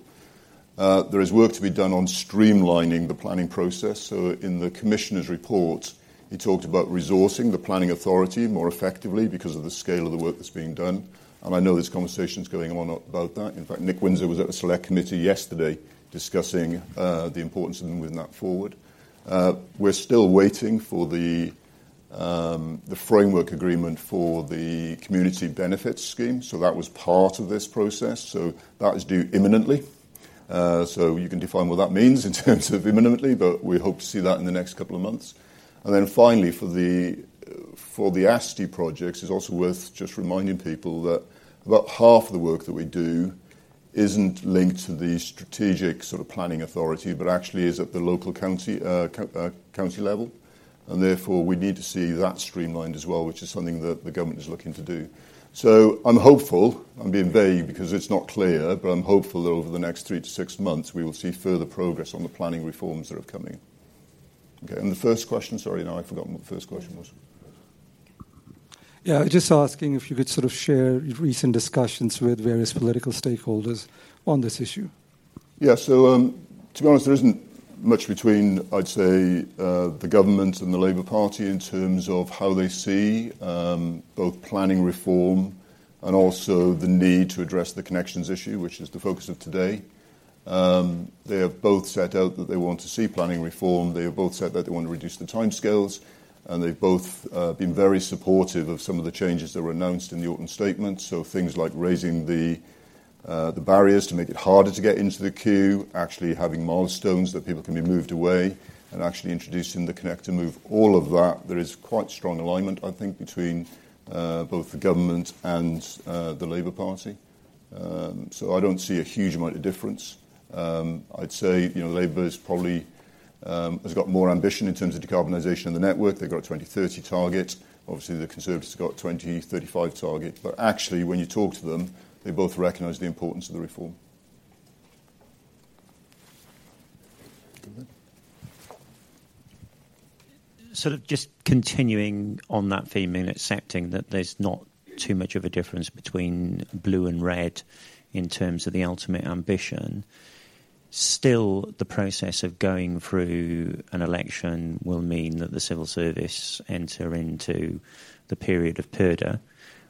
Speaker 2: There is work to be done on streamlining the planning process. So in the commissioner's report, he talked about resourcing the planning authority more effectively because of the scale of the work that's being done, and I know there's conversations going on about that. In fact, Nick Winser was at the select committee yesterday discussing the importance of moving that forward. We're still waiting for the framework agreement for the community benefit scheme, so that was part of this process. So that is due imminently. So you can define what that means in terms of imminently, but we hope to see that in the next couple of months. And then finally, for the ASTI projects, it's also worth just reminding people that about half the work that we do isn't linked to the strategic sort of planning authority, but actually is at the local county level, and therefore, we need to see that streamlined as well, which is something that the government is looking to do. So I'm hopeful, I'm being vague because it's not clear, but I'm hopeful that over the next three to six months, we will see further progress on the planning reforms that are coming. Okay, and the first question, sorry, now I've forgotten what the first question was.
Speaker 11: Yeah, just asking if you could sort of share recent discussions with various political stakeholders on this issue?
Speaker 2: Yeah. So, to be honest, there isn't much between, I'd say, the government and the Labour Party in terms of how they see both planning reform and also the need to address the connections issue, which is the focus of today. They have both set out that they want to see planning reform, they have both said that they want to reduce the timescales, and they've both been very supportive of some of the changes that were announced in the Autumn Statement. So things like raising the barriers to make it harder to get into the queue, actually having milestones that people can be moved away, and actually introducing the connect and move. All of that, there is quite strong alignment, I think, between both the government and the Labour Party. So I don't see a huge amount of difference. I'd say, you know, Labour is probably has got more ambition in terms of decarbonization of the network. They've got a 2030 target. Obviously, the Conservatives have got a 2035 target, but actually, when you talk to them, they both recognize the importance of the reform.
Speaker 12: Sort of just continuing on that theme and accepting that there's not too much of a difference between blue and red in terms of the ultimate ambition. Still, the process of going through an election will mean that the civil service enter into the period of purdah,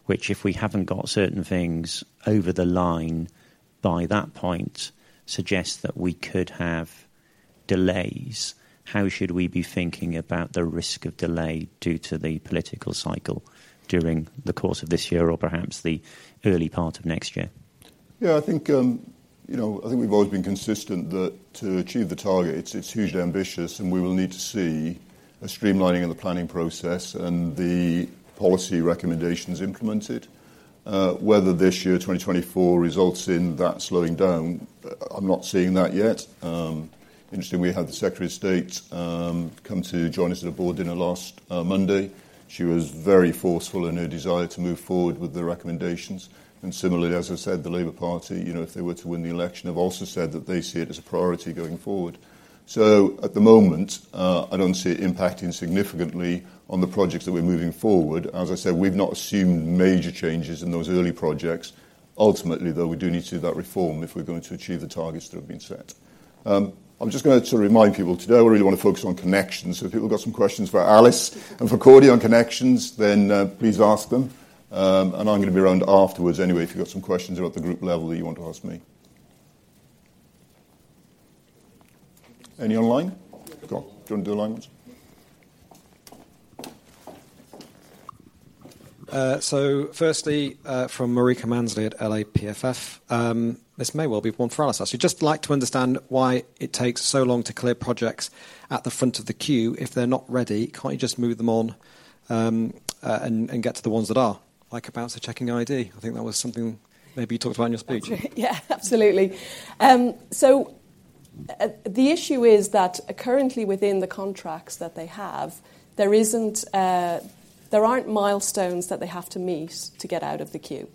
Speaker 12: which, if we haven't got certain things over the line by that point, suggests that we could have delays. How should we be thinking about the risk of delay due to the political cycle during the course of this year or perhaps the early part of next year?
Speaker 2: Yeah, I think, you know, I think we've always been consistent that to achieve the target, it's hugely ambitious, and we will need to see a streamlining of the planning process and the policy recommendations implemented. Whether this year, 2024, results in that slowing down, I'm not seeing that yet. Interestingly, we had the Secretary of State come to join us at a board dinner last Monday. She was very forceful in her desire to move forward with the recommendations, and similarly, as I said, the Labour Party, you know, if they were to win the election, have also said that they see it as a priority going forward. So at the moment, I don't see it impacting significantly on the projects that we're moving forward. As I said, we've not assumed major changes in those early projects. Ultimately, though, we do need to do that reform if we're going to achieve the targets that have been set. I'm just going to remind people, today, I really want to focus on connections. So if people have got some questions for Alice and for Cordi on connections, then, please ask them. And I'm going to be around afterwards anyway, if you've got some questions about the group level that you want to ask me. Any online? Go on. Do you want to do the online ones?
Speaker 13: So firstly, from Marika Mansley at LAPFF. This may well be one for Alice. She'd just like to understand why it takes so long to clear projects at the front of the queue. If they're not ready, can't you just move them on, and get to the ones that are? Like a bouncer checking ID. I think that was something maybe you talked about in your speech.
Speaker 3: Yeah, absolutely. So, the issue is that currently within the contracts that they have, there isn't, there aren't milestones that they have to meet to get out of the queue.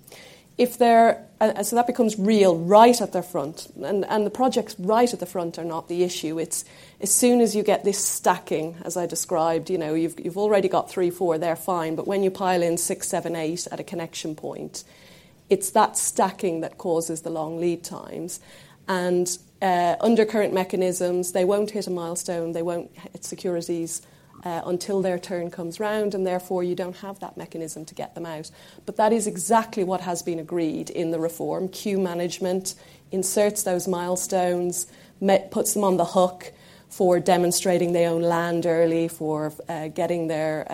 Speaker 3: And so that becomes real right at the front, and the projects right at the front are not the issue. It's as soon as you get this stacking, as I described, you know, you've already got three, four, they're fine, but when you pile in six, seven, eight at a connection point, it's that stacking that causes the long lead times. And under current mechanisms, they won't hit a milestone, they won't hit securities, until their turn comes round, and therefore, you don't have that mechanism to get them out. But that is exactly what has been agreed in the reform. Queue Management inserts those milestones, puts them on the hook for demonstrating their own land early, for getting their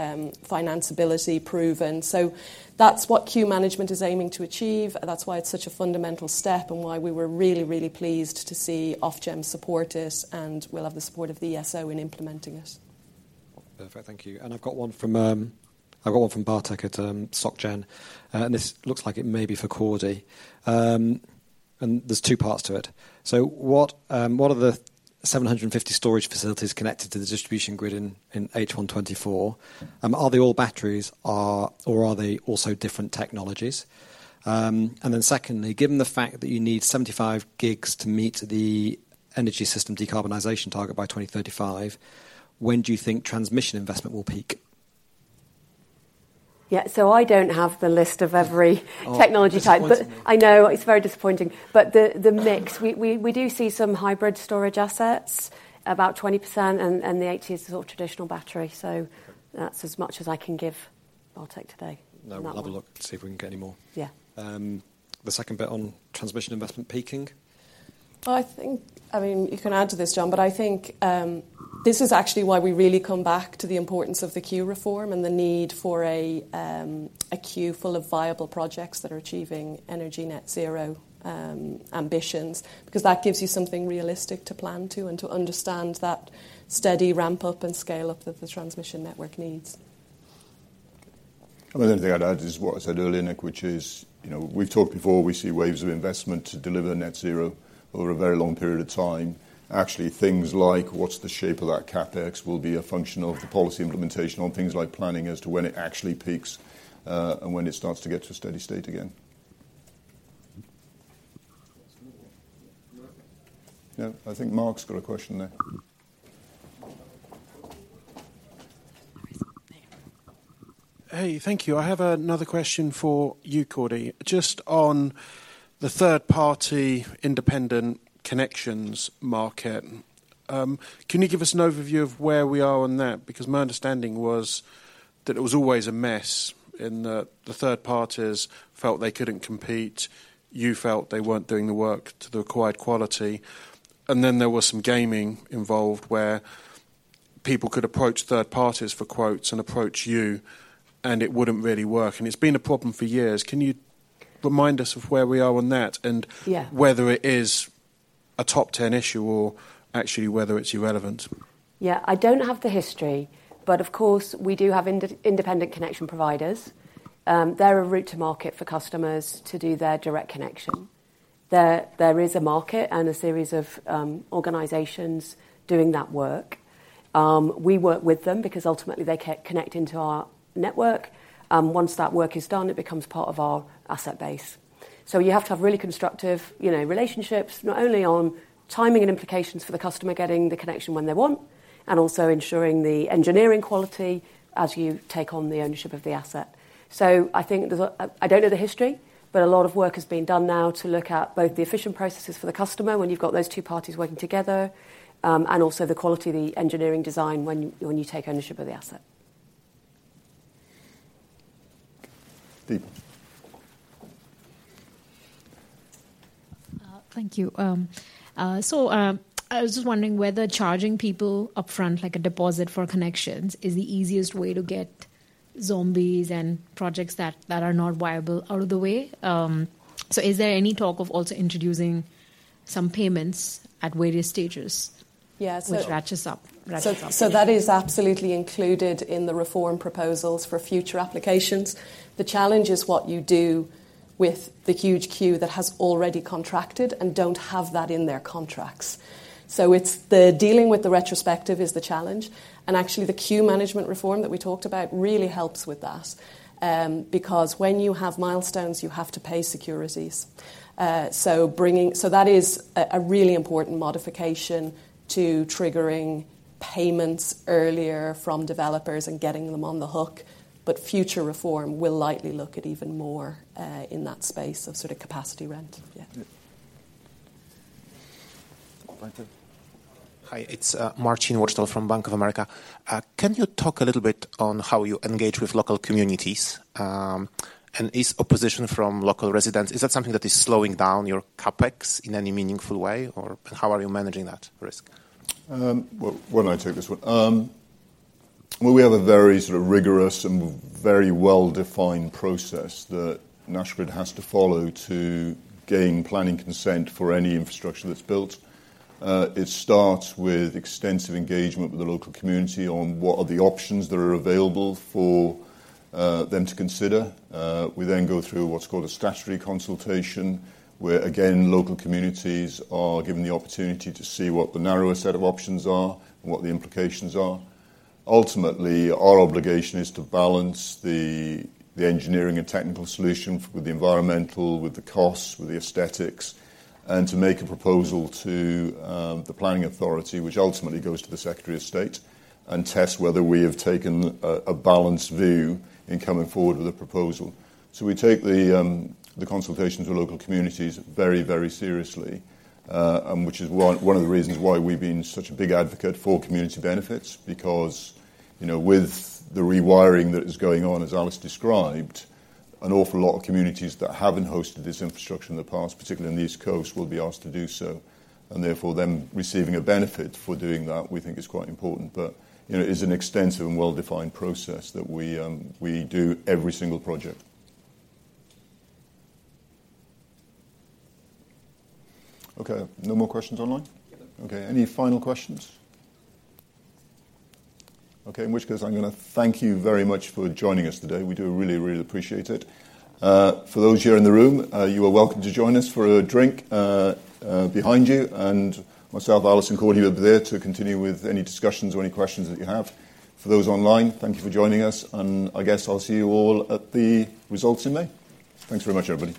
Speaker 3: financeability proven. So that's what Queue Management is aiming to achieve, and that's why it's such a fundamental step, and why we were really, really pleased to see Ofgem support it, and we'll have the support of the ESO in implementing it.
Speaker 13: Perfect. Thank you. And I've got one from... I've got one from Bartek at SocGen, and this looks like it may be for Cordi. And there's two parts to it. So what are the 750 storage facilities connected to the distribution grid in H1 2024? Are they all batteries, or are they also different technologies? And then secondly, given the fact that you need 75 gigs to meet the energy system decarbonization target by 2035, when do you think transmission investment will peak?
Speaker 4: Yeah, so I don't have the list of every technology type.
Speaker 13: Oh, disappointing.
Speaker 4: But I know, it's very disappointing. But the mix, we do see some hybrid storage assets, about 20%, and the 80% is sort of traditional battery.
Speaker 13: Okay.
Speaker 4: That's as much as I can give Bartek today on that one.
Speaker 13: No, we'll have a look, see if we can get any more.
Speaker 4: Yeah.
Speaker 13: The second bit on transmission investment peaking?
Speaker 3: I think, I mean, you can add to this, John, but I think, this is actually why we really come back to the importance of the queue reform and the need for a queue full of viable projects that are achieving energy Net Zero ambitions, because that gives you something realistic to plan to and to understand that steady ramp up and scale up that the transmission network needs.
Speaker 2: The only thing I'd add is what I said earlier, Nick, which is, you know, we've talked before, we see waves of investment to deliver Net Zero over a very long period of time. Actually, things like what's the shape of that CapEx will be a function of the policy implementation on things like planning as to when it actually peaks, and when it starts to get to a steady state again. Yeah, I think Mark's got a question there.
Speaker 5: Hey, thank you. I have another question for you, Cordi. Just on the third-party independent connections market, can you give us an overview of where we are on that? Because my understanding was that it was always a mess, and that the third parties felt they couldn't compete. You felt they weren't doing the work to the required quality, and then there was some gaming involved where people could approach third parties for quotes and approach you, and it wouldn't really work, and it's been a problem for years. Can you remind us of where we are on that, and-
Speaker 4: Yeah....
Speaker 5: whether it is a top ten issue or actually whether it's irrelevant?
Speaker 4: Yeah, I don't have the history, but of course, we do have independent connection providers. They're a route to market for customers to do their direct connection. There is a market and a series of organizations doing that work. We work with them because ultimately they connect into our network. Once that work is done, it becomes part of our asset base. So you have to have really constructive, you know, relationships, not only on timing and implications for the customer getting the connection when they want, and also ensuring the engineering quality as you take on the ownership of the asset. So I think there's, I don't know the history, but a lot of work has been done now to look at both the efficient processes for the customer when you've got those two parties working together, and also the quality of the engineering design when you take ownership of the asset.
Speaker 2: Deepa?
Speaker 10: I was just wondering whether charging people upfront, like a deposit for connections, is the easiest way to get zombies and projects that are not viable out of the way. Is there any talk of also introducing some payments at various stages-
Speaker 3: Yeah, so-
Speaker 10: Which ratchets up, ratchets up?
Speaker 3: So that is absolutely included in the reform proposals for future applications. The challenge is what you do with the huge queue that has already contracted and don't have that in their contracts. So it's the dealing with the retrospective is the challenge, and actually, the queue management reform that we talked about really helps with that. Because when you have milestones, you have to pay securities. So that is a really important modification to triggering payments earlier from developers and getting them on the hook, but future reform will likely look at even more, in that space of sort of capacity rent. Yeah.
Speaker 2: Yeah. Marcin?
Speaker 14: Hi, it's Marcin Wojtal from Bank of America. Can you talk a little bit on how you engage with local communities? Is opposition from local residents something that is slowing down your CapEx in any meaningful way, or how are you managing that risk?
Speaker 2: Well, why don't I take this one? Well, we have a very sort of rigorous and very well-defined process that National Grid has to follow to gain planning consent for any infrastructure that's built. It starts with extensive engagement with the local community on what are the options that are available for them to consider. We then go through what's called a statutory consultation, where, again, local communities are given the opportunity to see what the narrower set of options are and what the implications are. Ultimately, our obligation is to balance the engineering and technical solution with the environmental, with the costs, with the aesthetics, and to make a proposal to the planning authority, which ultimately goes to the Secretary of State, and test whether we have taken a balanced view in coming forward with a proposal. So we take the consultation to local communities very seriously, and which is one of the reasons why we've been such a big advocate for community benefits, because, you know, with the rewiring that is going on, as Alice described, an awful lot of communities that haven't hosted this infrastructure in the past, particularly on the East Coast, will be asked to do so. And therefore, them receiving a benefit for doing that, we think is quite important. But, you know, it is an extensive and well-defined process that we do every single project. Okay, no more questions online?
Speaker 13: Yeah.
Speaker 2: Okay, any final questions? Okay, in which case, I'm gonna thank you very much for joining us today. We do really, really appreciate it. For those here in the room, you are welcome to join us for a drink behind you and myself, Alice, and Cordi are there to continue with any discussions or any questions that you have. For those online, thank you for joining us, and I guess I'll see you all at the results in May. Thanks very much, everybody.